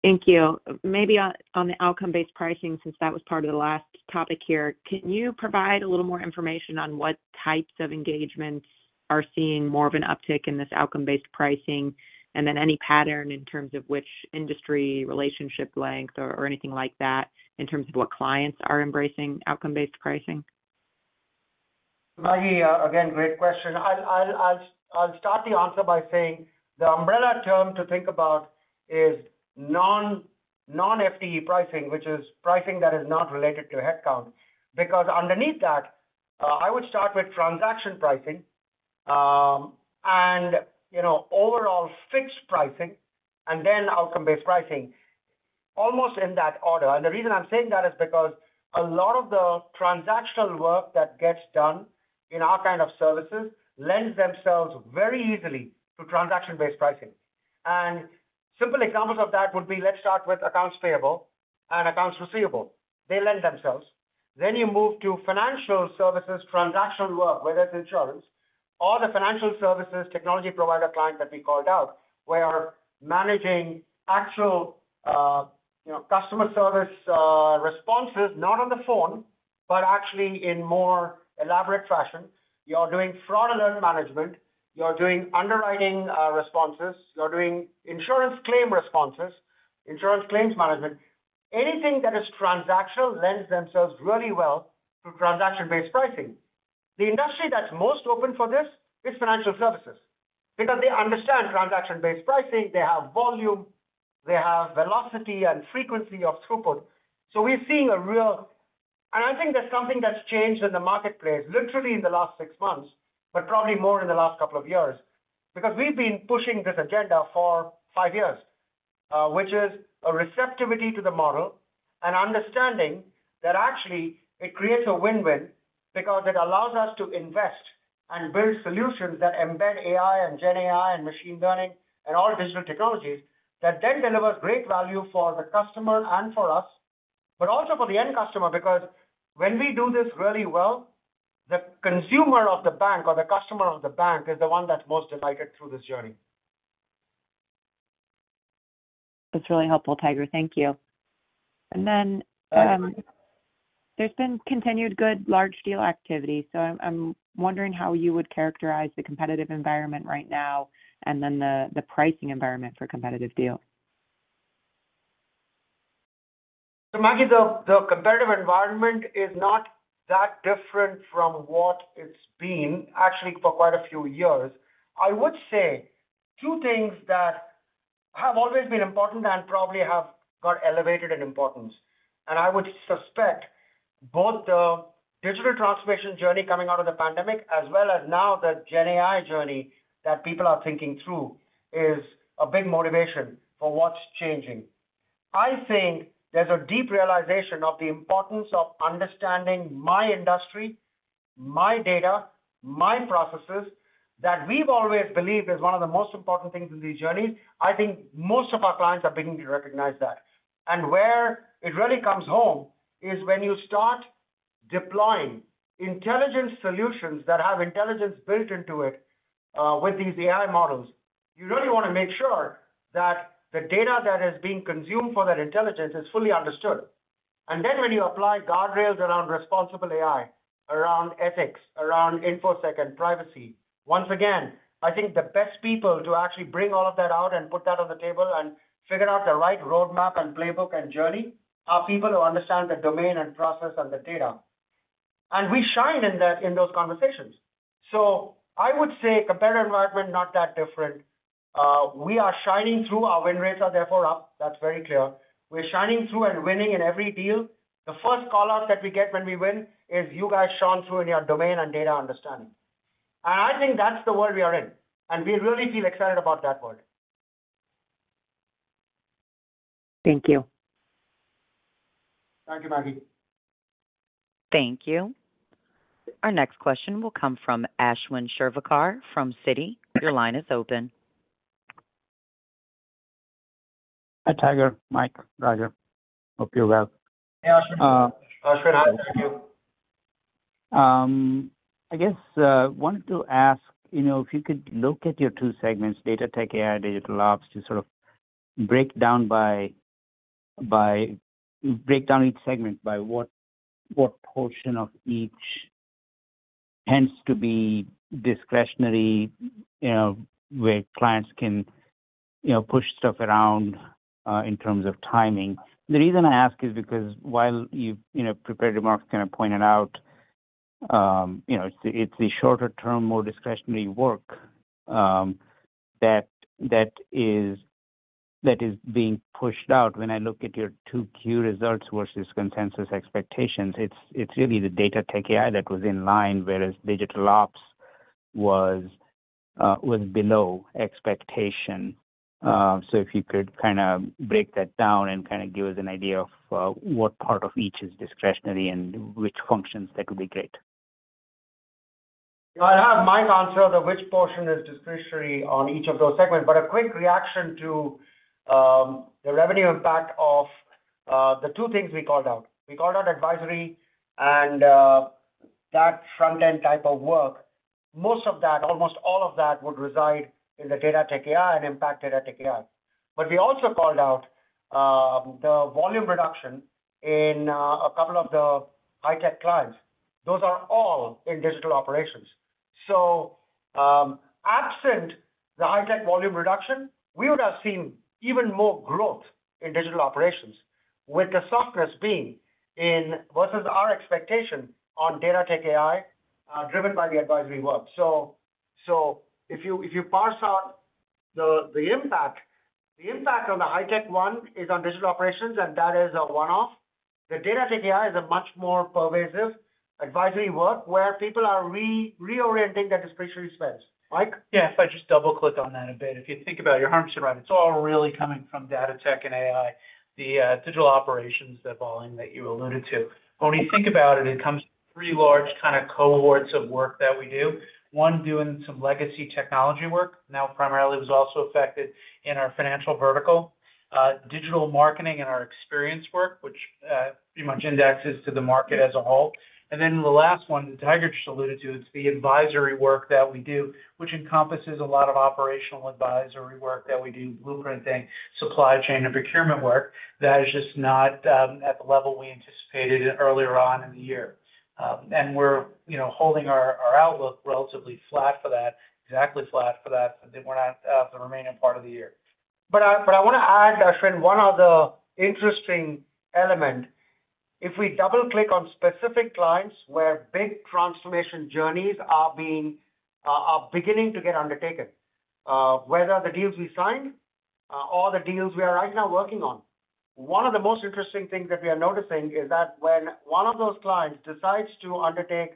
Thank you. Maybe on, on the outcome-based pricing, since that was part of the last topic here, can you provide a little more information on what types of engagements are seeing more of an uptick in this outcome-based pricing? Then any pattern in terms of which industry, relationship length or, or anything like that, in terms of what clients are embracing outcome-based pricing? Maggie, again, great question. I'll start the answer by saying the umbrella term to think about is non, non-FTE pricing, which is pricing that is not related to headcount. Because underneath that, I would start with transaction pricing, and, you know, overall fixed pricing and then outcome-based pricing, almost in that order. The reason I'm saying that is because a lot of the transactional work that gets done in our kind of services lends themselves very easily to transaction-based pricing. Simple examples of that would be, let's start with accounts payable and accounts receivable. They lend themselves. You move to financial services, transactional work, whether it's insurance or the financial services technology provider client that we called out, where managing actual, you know, customer service, responses, not on the phone, but actually in more elaborate fashion. You're doing fraud alert management, you're doing underwriting responses, you're doing insurance claim responses, insurance claims management. Anything that is transactional lends themselves really well to transaction-based pricing. The industry that's most open for this is financial services, because they understand transaction-based pricing. They have volume, they have velocity and frequency of throughput. I think that's something that's changed in the marketplace literally in the last six months, but probably more in the last couple of years, because we've been pushing this agenda for five years, which is a receptivity to the model and understanding that actually it creates a win-win because it allows us to invest and build solutions that embed AI and GenAI and machine learning and all digital technologies that then delivers great value for the customer and for us, but also for the end customer. Because when we do this really well, the consumer of the bank or the customer of the bank is the one that's most delighted through this journey. That's really helpful, Tiger. Thank you. There's been continued good large deal activity, so I'm wondering how you would characterize the competitive environment right now, and then the pricing environment for competitive deals. Maggie, the competitive environment is not that different from what it's been actually for quite a few years. I would say two things that have always been important and probably have got elevated in importance, and I would suspect both the digital transformation journey coming out of the pandemic, as well as now the GenAI journey that people are thinking through, is a big motivation for what's changing. I think there's a deep realization of the importance of understanding my industry, my data, my processes, that we've always believed is one of the most important things in these journeys. I think most of our clients are beginning to recognize that. Where it really comes home is when you start-... deploying intelligent solutions that have intelligence built into it, with these AI models, you really want to make sure that the data that is being consumed for that intelligence is fully understood. Then when you apply guardrails around responsible AI, around ethics, around infosec and privacy, once again, I think the best people to actually bring all of that out and put that on the table and figure out the right roadmap and playbook and journey, are people who understand the domain and process and the data. We shine in that, in those conversations. I would say competitor environment, not that different. We are shining through. Our win rates are therefore up. That's very clear. We're shining through and winning in every deal. The first call out that we get when we win, is you guys shone through in your domain and data understanding. I think that's the world we are in, and we really feel excited about that world. Thank you. Thank you, Maggie. Thank you. Our next question will come from Ashwin Shirvaikar from Citigroup. Your line is open. Hi, Tiger, Mike, Roger. Hope you're well. Hey, Ashwin. Ashwin, hi, thank you. I guess, wanted to ask, you know, if you could look at your 2 segments, Data-Tech-AI, Digital Ops, to sort of break down each segment by what portion of each tends to be discretionary, you know, where clients can, you know, push stuff around in terms of timing. The reason I ask is because while you, you know, prepared remarks kind of pointed out, you know, it's the, it's the shorter term, more discretionary work that is being pushed out. When I look at your 2Q results versus consensus expectations, it's really the Data-Tech-AI that was in line, whereas Digital Ops was below expectation. If you could kind of break that down and kind of give us an idea of, what part of each is discretionary and which functions, that would be great. I have Mike answer the which portion is discretionary on each of those segments, but a quick reaction to the revenue impact of the two things we called out. We called out advisory and that front-end type of work. Most of that, almost all of that, would reside in the Data-Tech-AI and impact Data-Tech-AI. We also called out the volume reduction in a couple of the high tech clients. Those are all in Digital Operations. Absent the high tech volume reduction, we would have seen even more growth in Digital Operations, with the softness being in versus our expectation on Data-Tech-AI, driven by the advisory work. If you, if you parse out the, the impact, the impact on the high tech one is on Digital Operations, and that is a one-off. The Data-Tech-AI is a much more pervasive advisory work where people are reorienting their discretionary spends, Mike? Yeah, if I just double-click on that a bit. If you think about it, you're absolutely right. It's all really coming from Data Tech and AI, the Digital Operations, that volume that you alluded to. When you think about it, it comes three large kind of cohorts of work that we do. One, doing some legacy technology work, now primarily was also affected in our financial vertical. Digital marketing and our experience work, which pretty much indexes to the market as a whole. Then the last one, that Tiger just alluded to, it's the advisory work that we do, which encompasses a lot of operational advisory work that we do, blueprinting, supply chain, and procurement work, that is just not at the level we anticipated earlier on in the year. We're, you know, holding our, our outlook relatively flat for that, exactly flat for that, for the remaining part of the year. I wanna add, Ashwin, one other interesting element. If we double-click on specific clients where big transformation journeys are being, are beginning to get undertaken, whether the deals we sign, or the deals we are right now working on, one of the most interesting things that we are noticing is that when one of those clients decides to undertake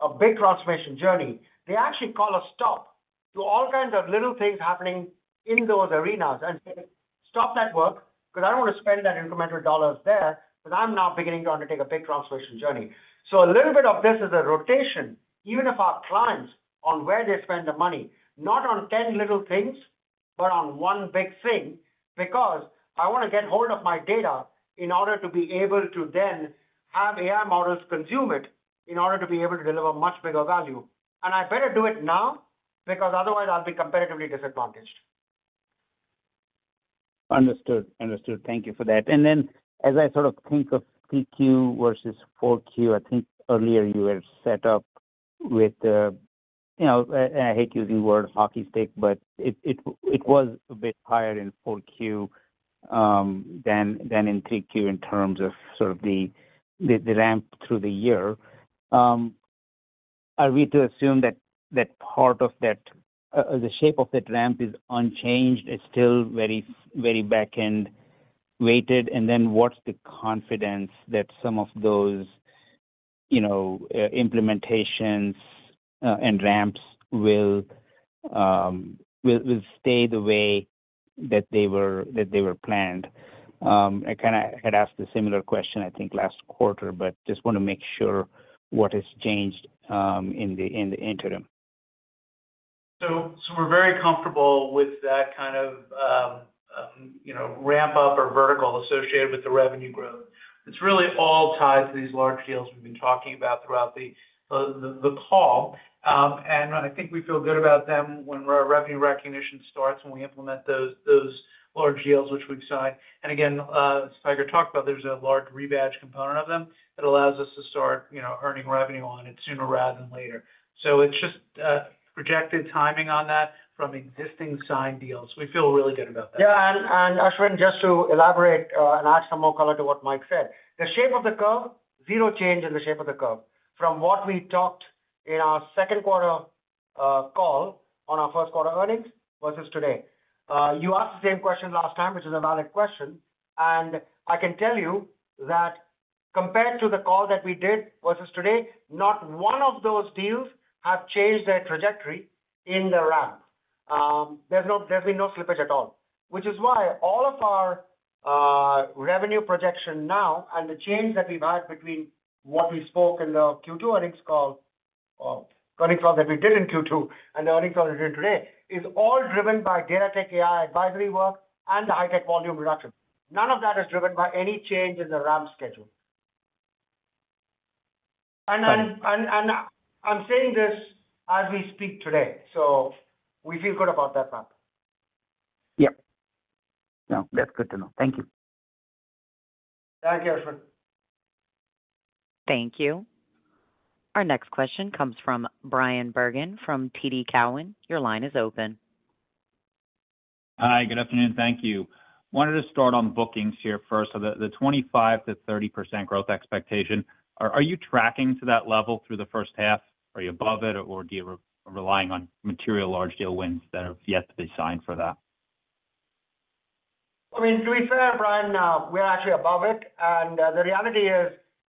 a big transformation journey, they actually call a stop to all kinds of little things happening in those arenas and say, "Stop that work, because I don't want to spend that incremental dollars there, because I'm now beginning to undertake a big transformation journey." A little bit of this is a rotation, even of our clients, on where they spend the money, not on 10 little things, but on one big thing, because I want to get hold of my data in order to be able to then have AI models consume it, in order to be able to deliver much bigger value. I better do it now, because otherwise I'll be comparatively disadvantaged. Understood. Understood. Thank you for that. As I sort of think of 3Q versus 4Q, I think earlier you were set up with the, you know, and I hate using the word hockey stick, but it, it, it was a bit higher in 4Q than, than in 3Q in terms of sort of the, the, the ramp through the year. Are we to assume that, that part of that, the shape of that ramp is unchanged, it's still very, very back-end weighted? What's the confidence that some of those, you know, implementations, and ramps will, will, will stay the way that they were, that they were planned? I kind a had asked a similar question, I think, last quarter, but just wanna make sure what has changed in the, in the interim. So we're very comfortable with that kind of, you know, ramp up or vertical associated with the revenue growth. It's really all tied to these large deals we've been talking about throughout the, the, the call. I think we feel good about them when our revenue recognition starts, and we implement those, those large deals which we've signed. Again, as Tiger talked about, there's a large rebadge component of them that allows us to start, you know, earning revenue on it sooner rather than later. It's just projected timing on that from existing signed deals. We feel really good about that. Yeah, Ashwin, just to elaborate, and add some more color to what Mike said. The shape of the curve, zero change in the shape of the curve from what we talked in our Q2, call, on our Q1 earnings versus today. You asked the same question last time, which is a valid question, and I can tell you that compared to the call that we did versus today, not one of those deals have changed their trajectory in the ramp. There's been no slippage at all, which is why all of our revenue projection now and the change that we've had between what we spoke in the Q2 earnings call, or earnings call that we did in Q2, and the earnings call we did today, is all driven by Data-Tech-AI, advisory work, and the high tech volume reduction. None of that is driven by any change in the ramp schedule. I'm saying this as we speak today, so we feel good about that ramp. Yep. No, that's good to know. Thank you. Thank you, Ashwin. Thank you. Our next question comes from Bryan Bergin, from TD Cowen. Your line is open. Hi, good afternoon. Thank you. Wanted to start on bookings here first. The 25%-30% growth expectation, are you tracking to that level through the first half? Are you above it, or do you relying on material large deal wins that have yet to be signed for that? I mean, to be fair, Bryan, we're actually above it, and the reality is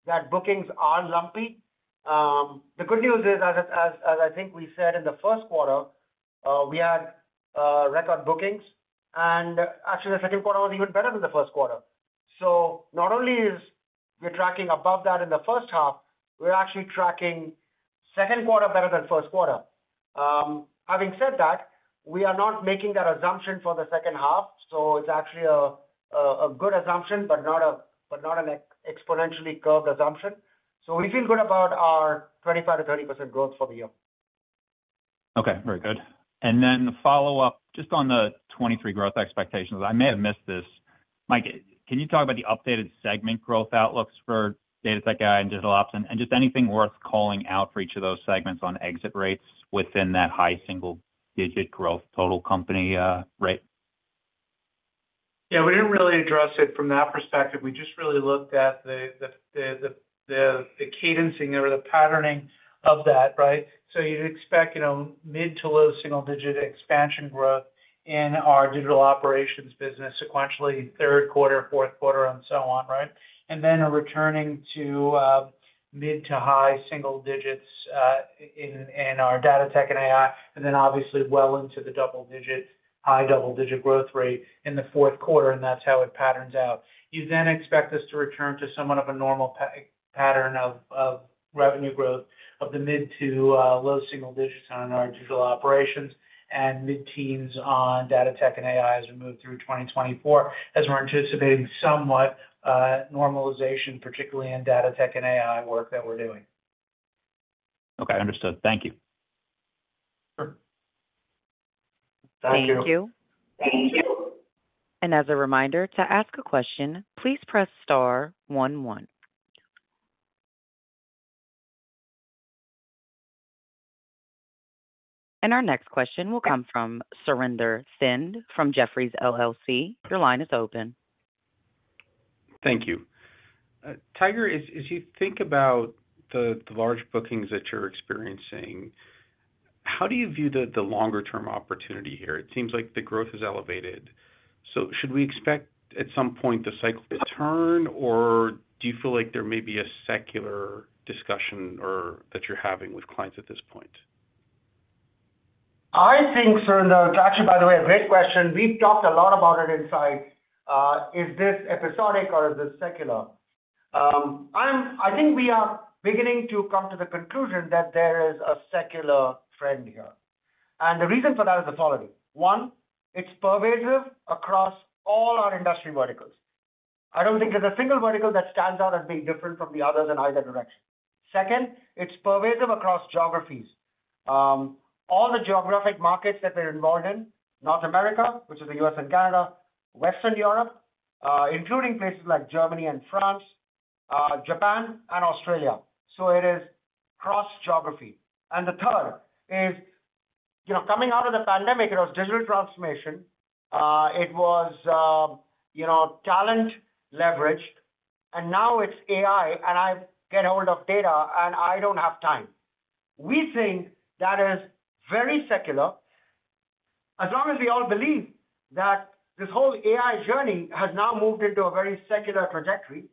that bookings are lumpy. The good news is, as, as, as I think we said in the Q1, we had record bookings, and actually the Q2 was even better than the Q1. Not only is we're tracking above that in the first half, we're actually tracking Q2 better than Q1. Having said that, we are not making that assumption for the second half, so it's actually a, a, a good assumption, but not a, but not an ex-exponentially curved assumption. We feel good about our 25%-30% growth for the year. Okay, very good. Then follow up just on the 2023 growth expectations. I may have missed this. Mike, can you talk about the updated segment growth outlooks for Data-Tech-AI and Digital Operations? Just anything worth calling out for each of those segments on exit rates within that high single-digit growth total company rate? Yeah, we didn't really address it from that perspective. We just really looked at the, the, the, the, the cadencing or the patterning of that, right? You'd expect, you know, mid to low single-digit expansion growth in our Digital Operations sequentially, 3rd quarter, 4th quarter, and so on, right? A returning to mid to high single-digits in our Data-Tech-AI, and then obviously well into the double-digit, high double-digit growth rate in the 4th quarter, and that's how it patterns out. You then expect us to return to somewhat of a normal pattern of revenue growth of the mid to low single-digits on our Digital Operations and mid-teens on Data-Tech-AI as we move through 2024, as we're anticipating somewhat normalization, particularly in Data-Tech-AI work that we're doing. Okay, understood. Thank you. Sure. Thank you. Thank you. As a reminder, to ask a question, please press star one, one. Our next question will come from Surinder Thind from Jefferies LLC. Your line is open. Thank you. Tiger, as, as you think about the, the large bookings that you're experiencing, how do you view the, the longer-term opportunity here? It seems like the growth is elevated, so should we expect at some point the cycle to turn, or do you feel like there may be a secular discussion or that you're having with clients at this point? I think, Surinder, it's actually, by the way, a great question. We've talked a lot about it inside, is this episodic or is this secular? I think we are beginning to come to the conclusion that there is a secular trend here. The reason for that is the following: One, it's pervasive across all our industry verticals. I don't think there's a single vertical that stands out as being different from the others in either direction. Second, it's pervasive across geographies. All the geographic markets that we're involved in, North America, which is the US and Canada, Western Europe, including places like Germany and France, Japan and Australia, so it is cross-geography. The third is, you know, coming out of the pandemic, it was digital transformation, it was, you know, talent leveraged, and now it's AI, and I get a hold of data, and I don't have time. We think that is very secular. As long as we all believe that this whole AI journey has now moved into a very secular trajectory,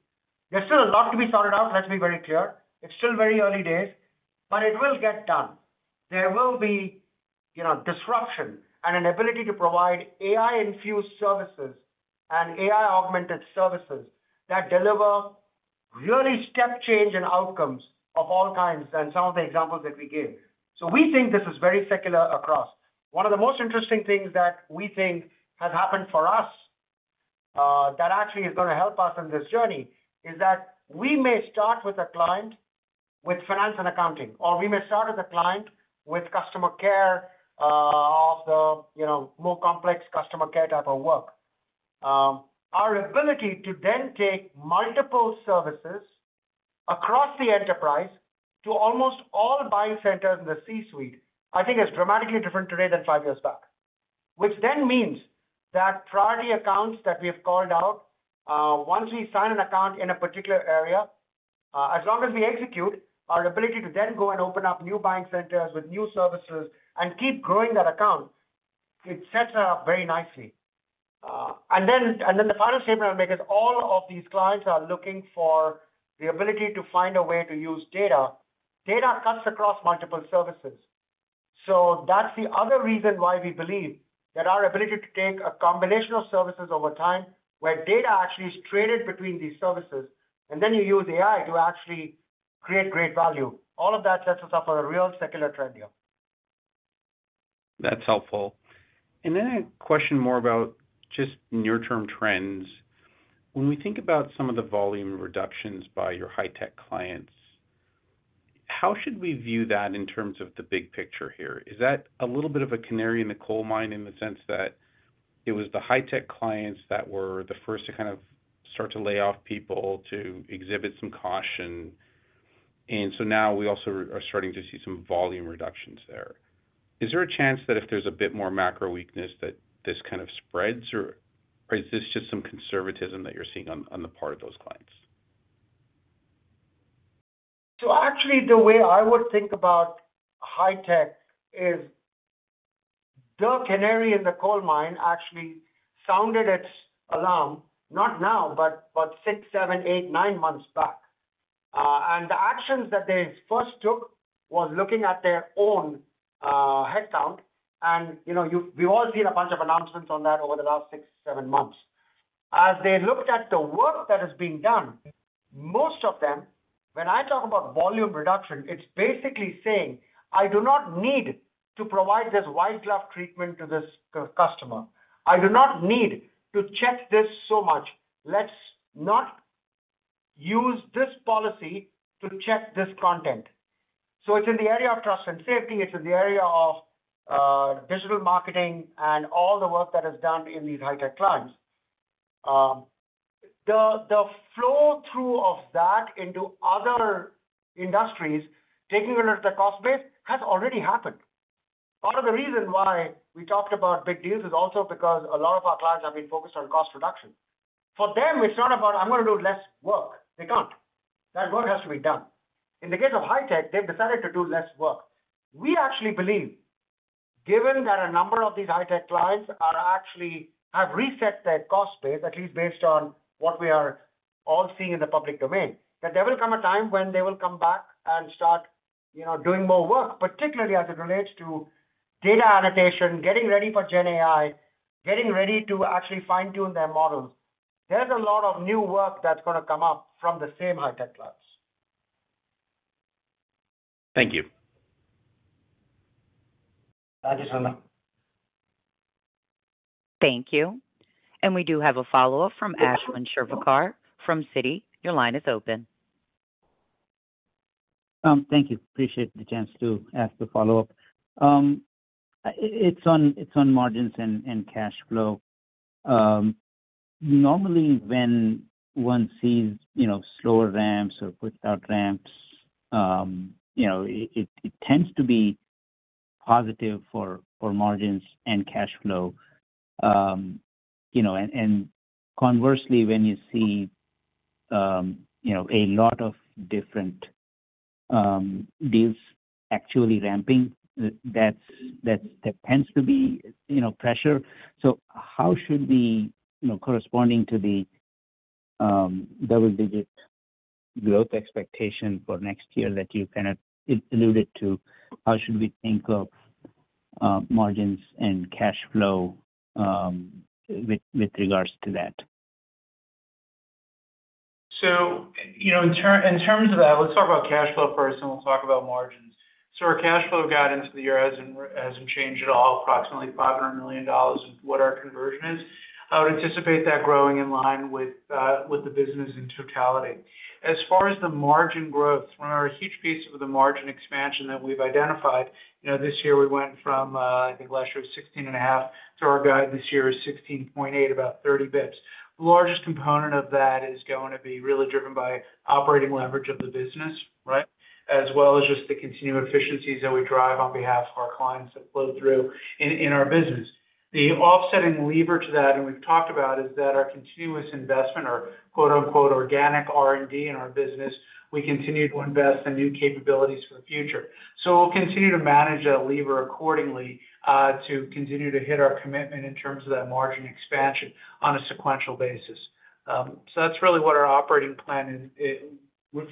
there's still a lot to be sorted out, let's be very clear. It's still very early days, but it will get done. There will be, you know, disruption and an ability to provide AI-infused services and AI-augmented services that deliver really step change in outcomes of all kinds than some of the examples that we gave. We think this is very secular across. One of the most interesting things that we think has happened for us, that actually is going to help us in this journey, is that we may start with a client with finance and accounting, or we may start with a client with customer care, of the, you know, more complex customer care type of work. Our ability to then take multiple services across the enterprise to almost all buying centers in the C-suite, I think, is dramatically different today than 5 years back. Which then means that priority accounts that we have called out, once we sign an account in a particular area, as long as we execute, our ability to then go and open up new buying centers with new services and keep growing that account, it sets up very nicely. Then, and then the final statement I'll make is all of these clients are looking for the ability to find a way to use data. Data cuts across multiple services. That's the other reason why we believe that our ability to take a combination of services over time, where data actually is traded between these services, and then you use AI to actually create great value. All of that sets us up for a real secular trend here. That's helpful. Then a question more about just near-term trends. When we think about some of the volume reductions by your high tech clients, how should we view that in terms of the big picture here? Is that a little bit of a canary in the coal mine, in the sense that it was the high tech clients that were the first to kind of start to lay off people, to exhibit some caution, and so now we also are starting to see some volume reductions there. Is there a chance that if there's a bit more macro weakness, that this kind of spreads, or is this just some conservatism that you're seeing on, on the part of those clients? Actually, the way I would think about high tech is, the canary in the coal mine actually sounded its alarm, not now, but, but six, seven, eight, nine months back. The actions that they first took was looking at their own headcount. You know, you've, we've all seen a bunch of announcements on that over the last six, seven months. As they looked at the work that is being done, most of them, when I talk about volume reduction, it's basically saying, "I do not need to provide this white glove treatment to this customer. I do not need to check this so much. Let's not use this policy to check this content." It's in the area of trust and safety, it's in the area of digital marketing and all the work that is done in these high tech clients. The, the flow through of that into other industries, taking a look at the cost base, has already happened. Part of the reason why we talked about big deals is also because a lot of our clients have been focused on cost reduction. For them, it's not about, I'm going to do less work. They can't. That work has to be done. In the case of high tech, they've decided to do less work. We actually believe, given that a number of these high tech clients are actually have reset their cost base, at least based on what we are all seeing in the public domain, that there will come a time when they will come back and start, you know, doing more work, particularly as it relates to data annotation, getting ready for GenAI, getting ready to actually fine-tune their models. There's a lot of new work that's going to come up from the same high tech clients. Thank you. Thank you, Surinder. Thank you. We do have a follow-up from Ashwin Shirvaikar from Citigroup. Your line is open. Thank you. Appreciate the chance to ask the follow-up. It's on, it's on margins and, and cash flow. Normally, when one sees, you know, slower ramps or without ramps, you know, it, it tends to be positive for, for margins and cash flow. You know, and, and conversely, when you see, you know, a lot of different deals actually ramping, that's, that, that tends to be, you know, pressure. So how should we, you know, corresponding to the double-digit growth expectation for next year that you kind of alluded to, how should we think of margins and cash flow with, with regards to that? You know, in terms of that, let's talk about cash flow first, and we'll talk about margins. Our cash flow guidance for the year hasn't changed at all, approximately $500 million is what our conversion is. I would anticipate that growing in line with the business in totality. As far as the margin growth, one of our huge pieces of the margin expansion that we've identified, you know, this year we went from, I think last year, 16.5%, to our guide this year is 16.8%, about 30 basis points. The largest component of that is going to be really driven by operating leverage of the business, right? As well as just the continued efficiencies that we drive on behalf of our clients that flow through in our business. The offsetting lever to that, and we've talked about, is that our continuous investment or quote-unquote, organic R&D in our business, we continue to invest in new capabilities for the future. We'll continue to manage that lever accordingly, to continue to hit our commitment in terms of that margin expansion on a sequential basis. That's really what our operating plan is. It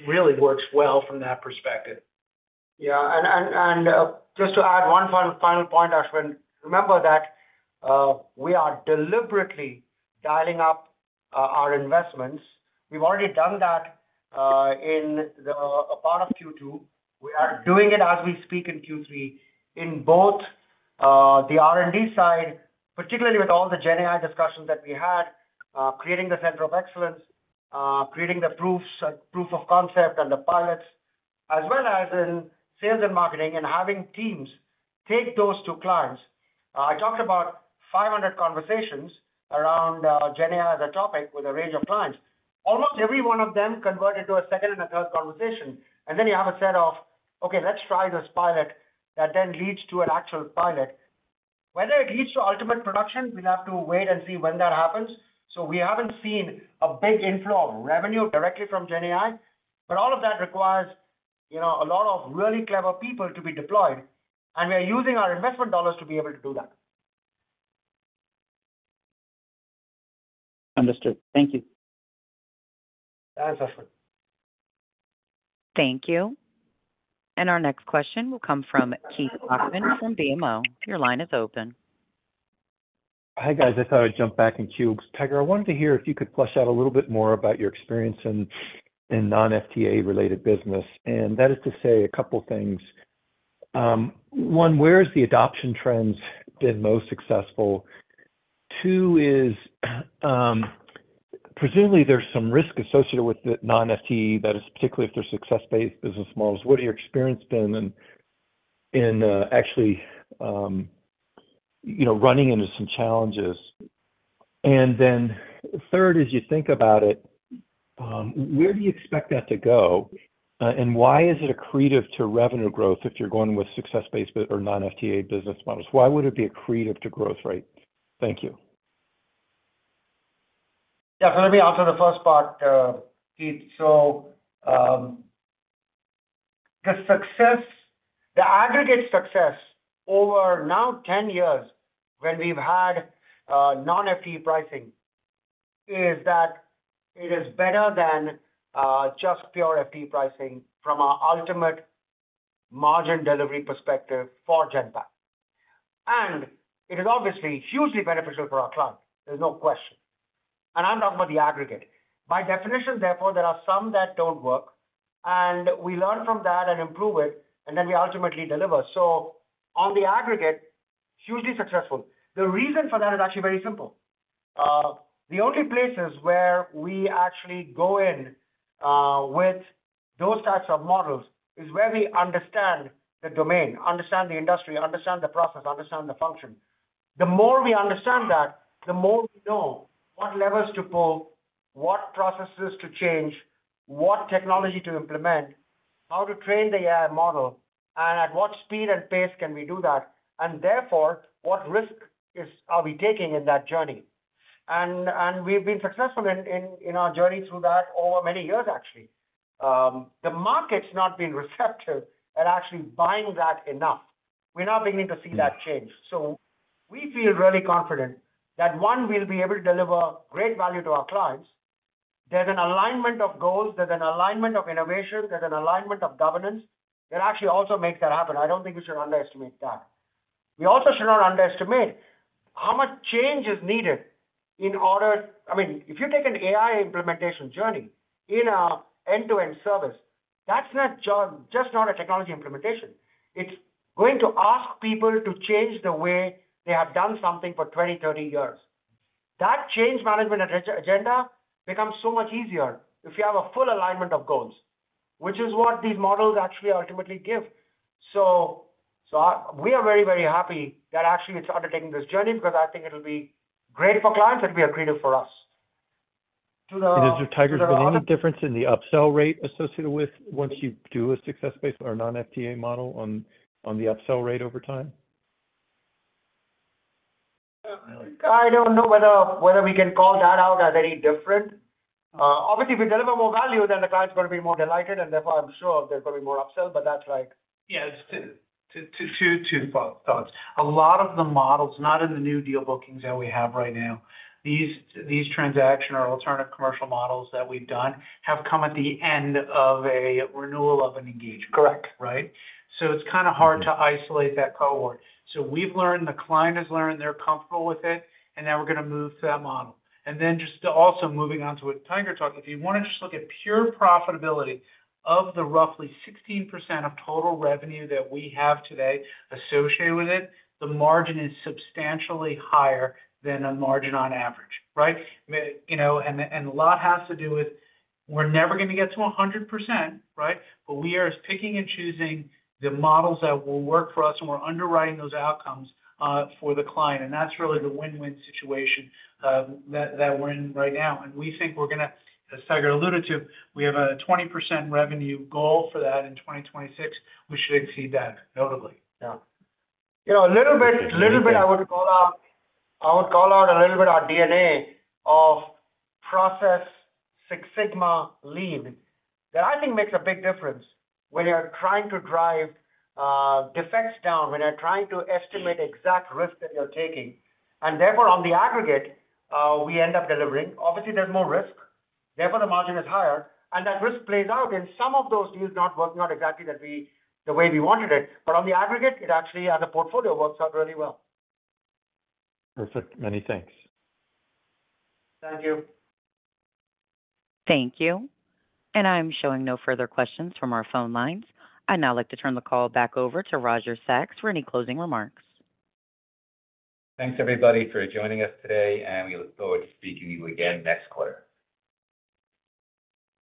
really works well from that perspective. Yeah, and, and, and, just to add one final point, Ashwin, remember that, we are deliberately dialing up, our investments. We've already done that, in the part of Q2. We are doing it as we speak in Q3, in both, the R&D side, particularly with all the GenAI discussions that we had, creating the AI Center of Excellence, creating the proofs, proof of concept and the pilots, as well as in sales and marketing and having teams take those to clients. I talked about 500 conversations around GenAI as a topic with a range of clients. Almost every one of them converted to a second and a third conversation, and then you have a set of, okay, let's try this pilot, that then leads to an actual pilot. Whether it leads to ultimate production, we'll have to wait and see when that happens. We haven't seen a big inflow of revenue directly from GenAI, but all of that requires, you know, a lot of really clever people to be deployed, and we are using our investment dollars to be able to do that. Understood. Thank you. Yeah, Ashwin. Thank you. Our next question will come from Keith Bachman from BMO. Your line is open. Hi, guys. I thought I'd jump back in queue. Tiger, I wanted to hear if you could flesh out a little bit more about your experience in, in non-FTE related business, and that is to say a couple of things. One, where has the adoption trends been most successful? Two is, presumably there's some risk associated with the non-FTE, that is, particularly if they're success-based business models. What are your experience been in, in, actually, you know, running into some challenges? And then third, as you think about it, where do you expect that to go, and why is it accretive to revenue growth if you're going with success-based or non-FTE business models? Why would it be accretive to growth rate? Thank you. Yeah, let me answer the first part, Keith. The aggregate success over now 10 years when we've had non-FTE pricing, is that it is better than just pure FTE pricing from our ultimate margin delivery perspective for Genpact. It is obviously hugely beneficial for our clients, there's no question. I'm talking about the aggregate. By definition, therefore, there are some that don't work, and we learn from that and improve it, and then we ultimately deliver. On the aggregate, hugely successful. The reason for that is actually very simple. The only places where we actually go in with those types of models is where we understand the domain, understand the industry, understand the process, understand the function. The more we understand that, the more we know what levers to pull, what processes to change, what technology to implement, how to train the AI model, and at what speed and pace can we do that, and therefore, what risk are we taking in that journey? We've been successful in our journey through that over many years, actually. The market's not been receptive at actually buying that enough. We're now beginning to see that change. We feel really confident that, one, we'll be able to deliver great value to our clients. There's an alignment of goals, there's an alignment of innovation, there's an alignment of governance that actually also makes that happen. I don't think we should underestimate that. We also should not underestimate how much change is needed in order... I mean, if you take an AI implementation journey in our end-to-end service, that's not just, just not a technology implementation. It's going to ask people to change the way they have done something for 20, 30 years. That change management agenda becomes so much easier if you have a full alignment of goals, which is what these models actually ultimately give. We are very, very happy that actually it's undertaking this journey because I think it'll be great for clients, and be accretive for us. Is there, Tiger, is there any difference in the upsell rate associated with once you do a success-based or a non-FTE model on, on the upsell rate over time? I don't know whether, whether we can call that out as any different. Obviously, if we deliver more value, then the client's gonna be more delighted, and therefore, I'm sure there's gonna be more upsell, but that's right. Yes, two, two, two, two thoughts. A lot of the models, not in the new deal bookings that we have right now, these transaction or alternative commercial models that we've done have come at the end of a renewal of an engagement. Correct. Right? So it's kinda hard to isolate that cohort. We've learned, the client has learned, they're comfortable with it, and now we're gonna move to that model. Then just also moving on to what Tiger talked, if you want to just look at pure profitability of the roughly 16% of total revenue that we have today associated with it, the margin is substantially higher than a margin on average, right? You know, and a lot has to do with, we're never gonna get to 100%, right? We are picking and choosing the models that will work for us, and we're underwriting those outcomes for the client, and that's really the win-win situation that we're in right now. We think we're gonna, as Tiger alluded to, we have a 20% revenue goal for that in 2026. We should exceed that, notably. Yeah. You know, a little bit, little bit I would call out, I would call out a little bit our DNA of process Six Sigma Lean, that I think makes a big difference when you are trying to drive defects down, when you're trying to estimate exact risk that you're taking, and therefore, on the aggregate, we end up delivering. Obviously, there's more risk, therefore, the margin is higher, and that risk plays out in some of those deals not work, not exactly that the way we wanted it, but on the aggregate, it actually, as a portfolio, works out really well. Perfect. Many thanks. Thank you. Thank you. I'm showing no further questions from our phone lines. I'd now like to turn the call back over to Roger Sachs for any closing remarks. Thanks, everybody, for joining us today. We look forward to speaking to you again next quarter.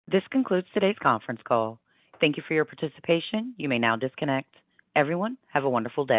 This concludes today's conference call. Thank you for your participation. You may now disconnect. Everyone, have a wonderful day.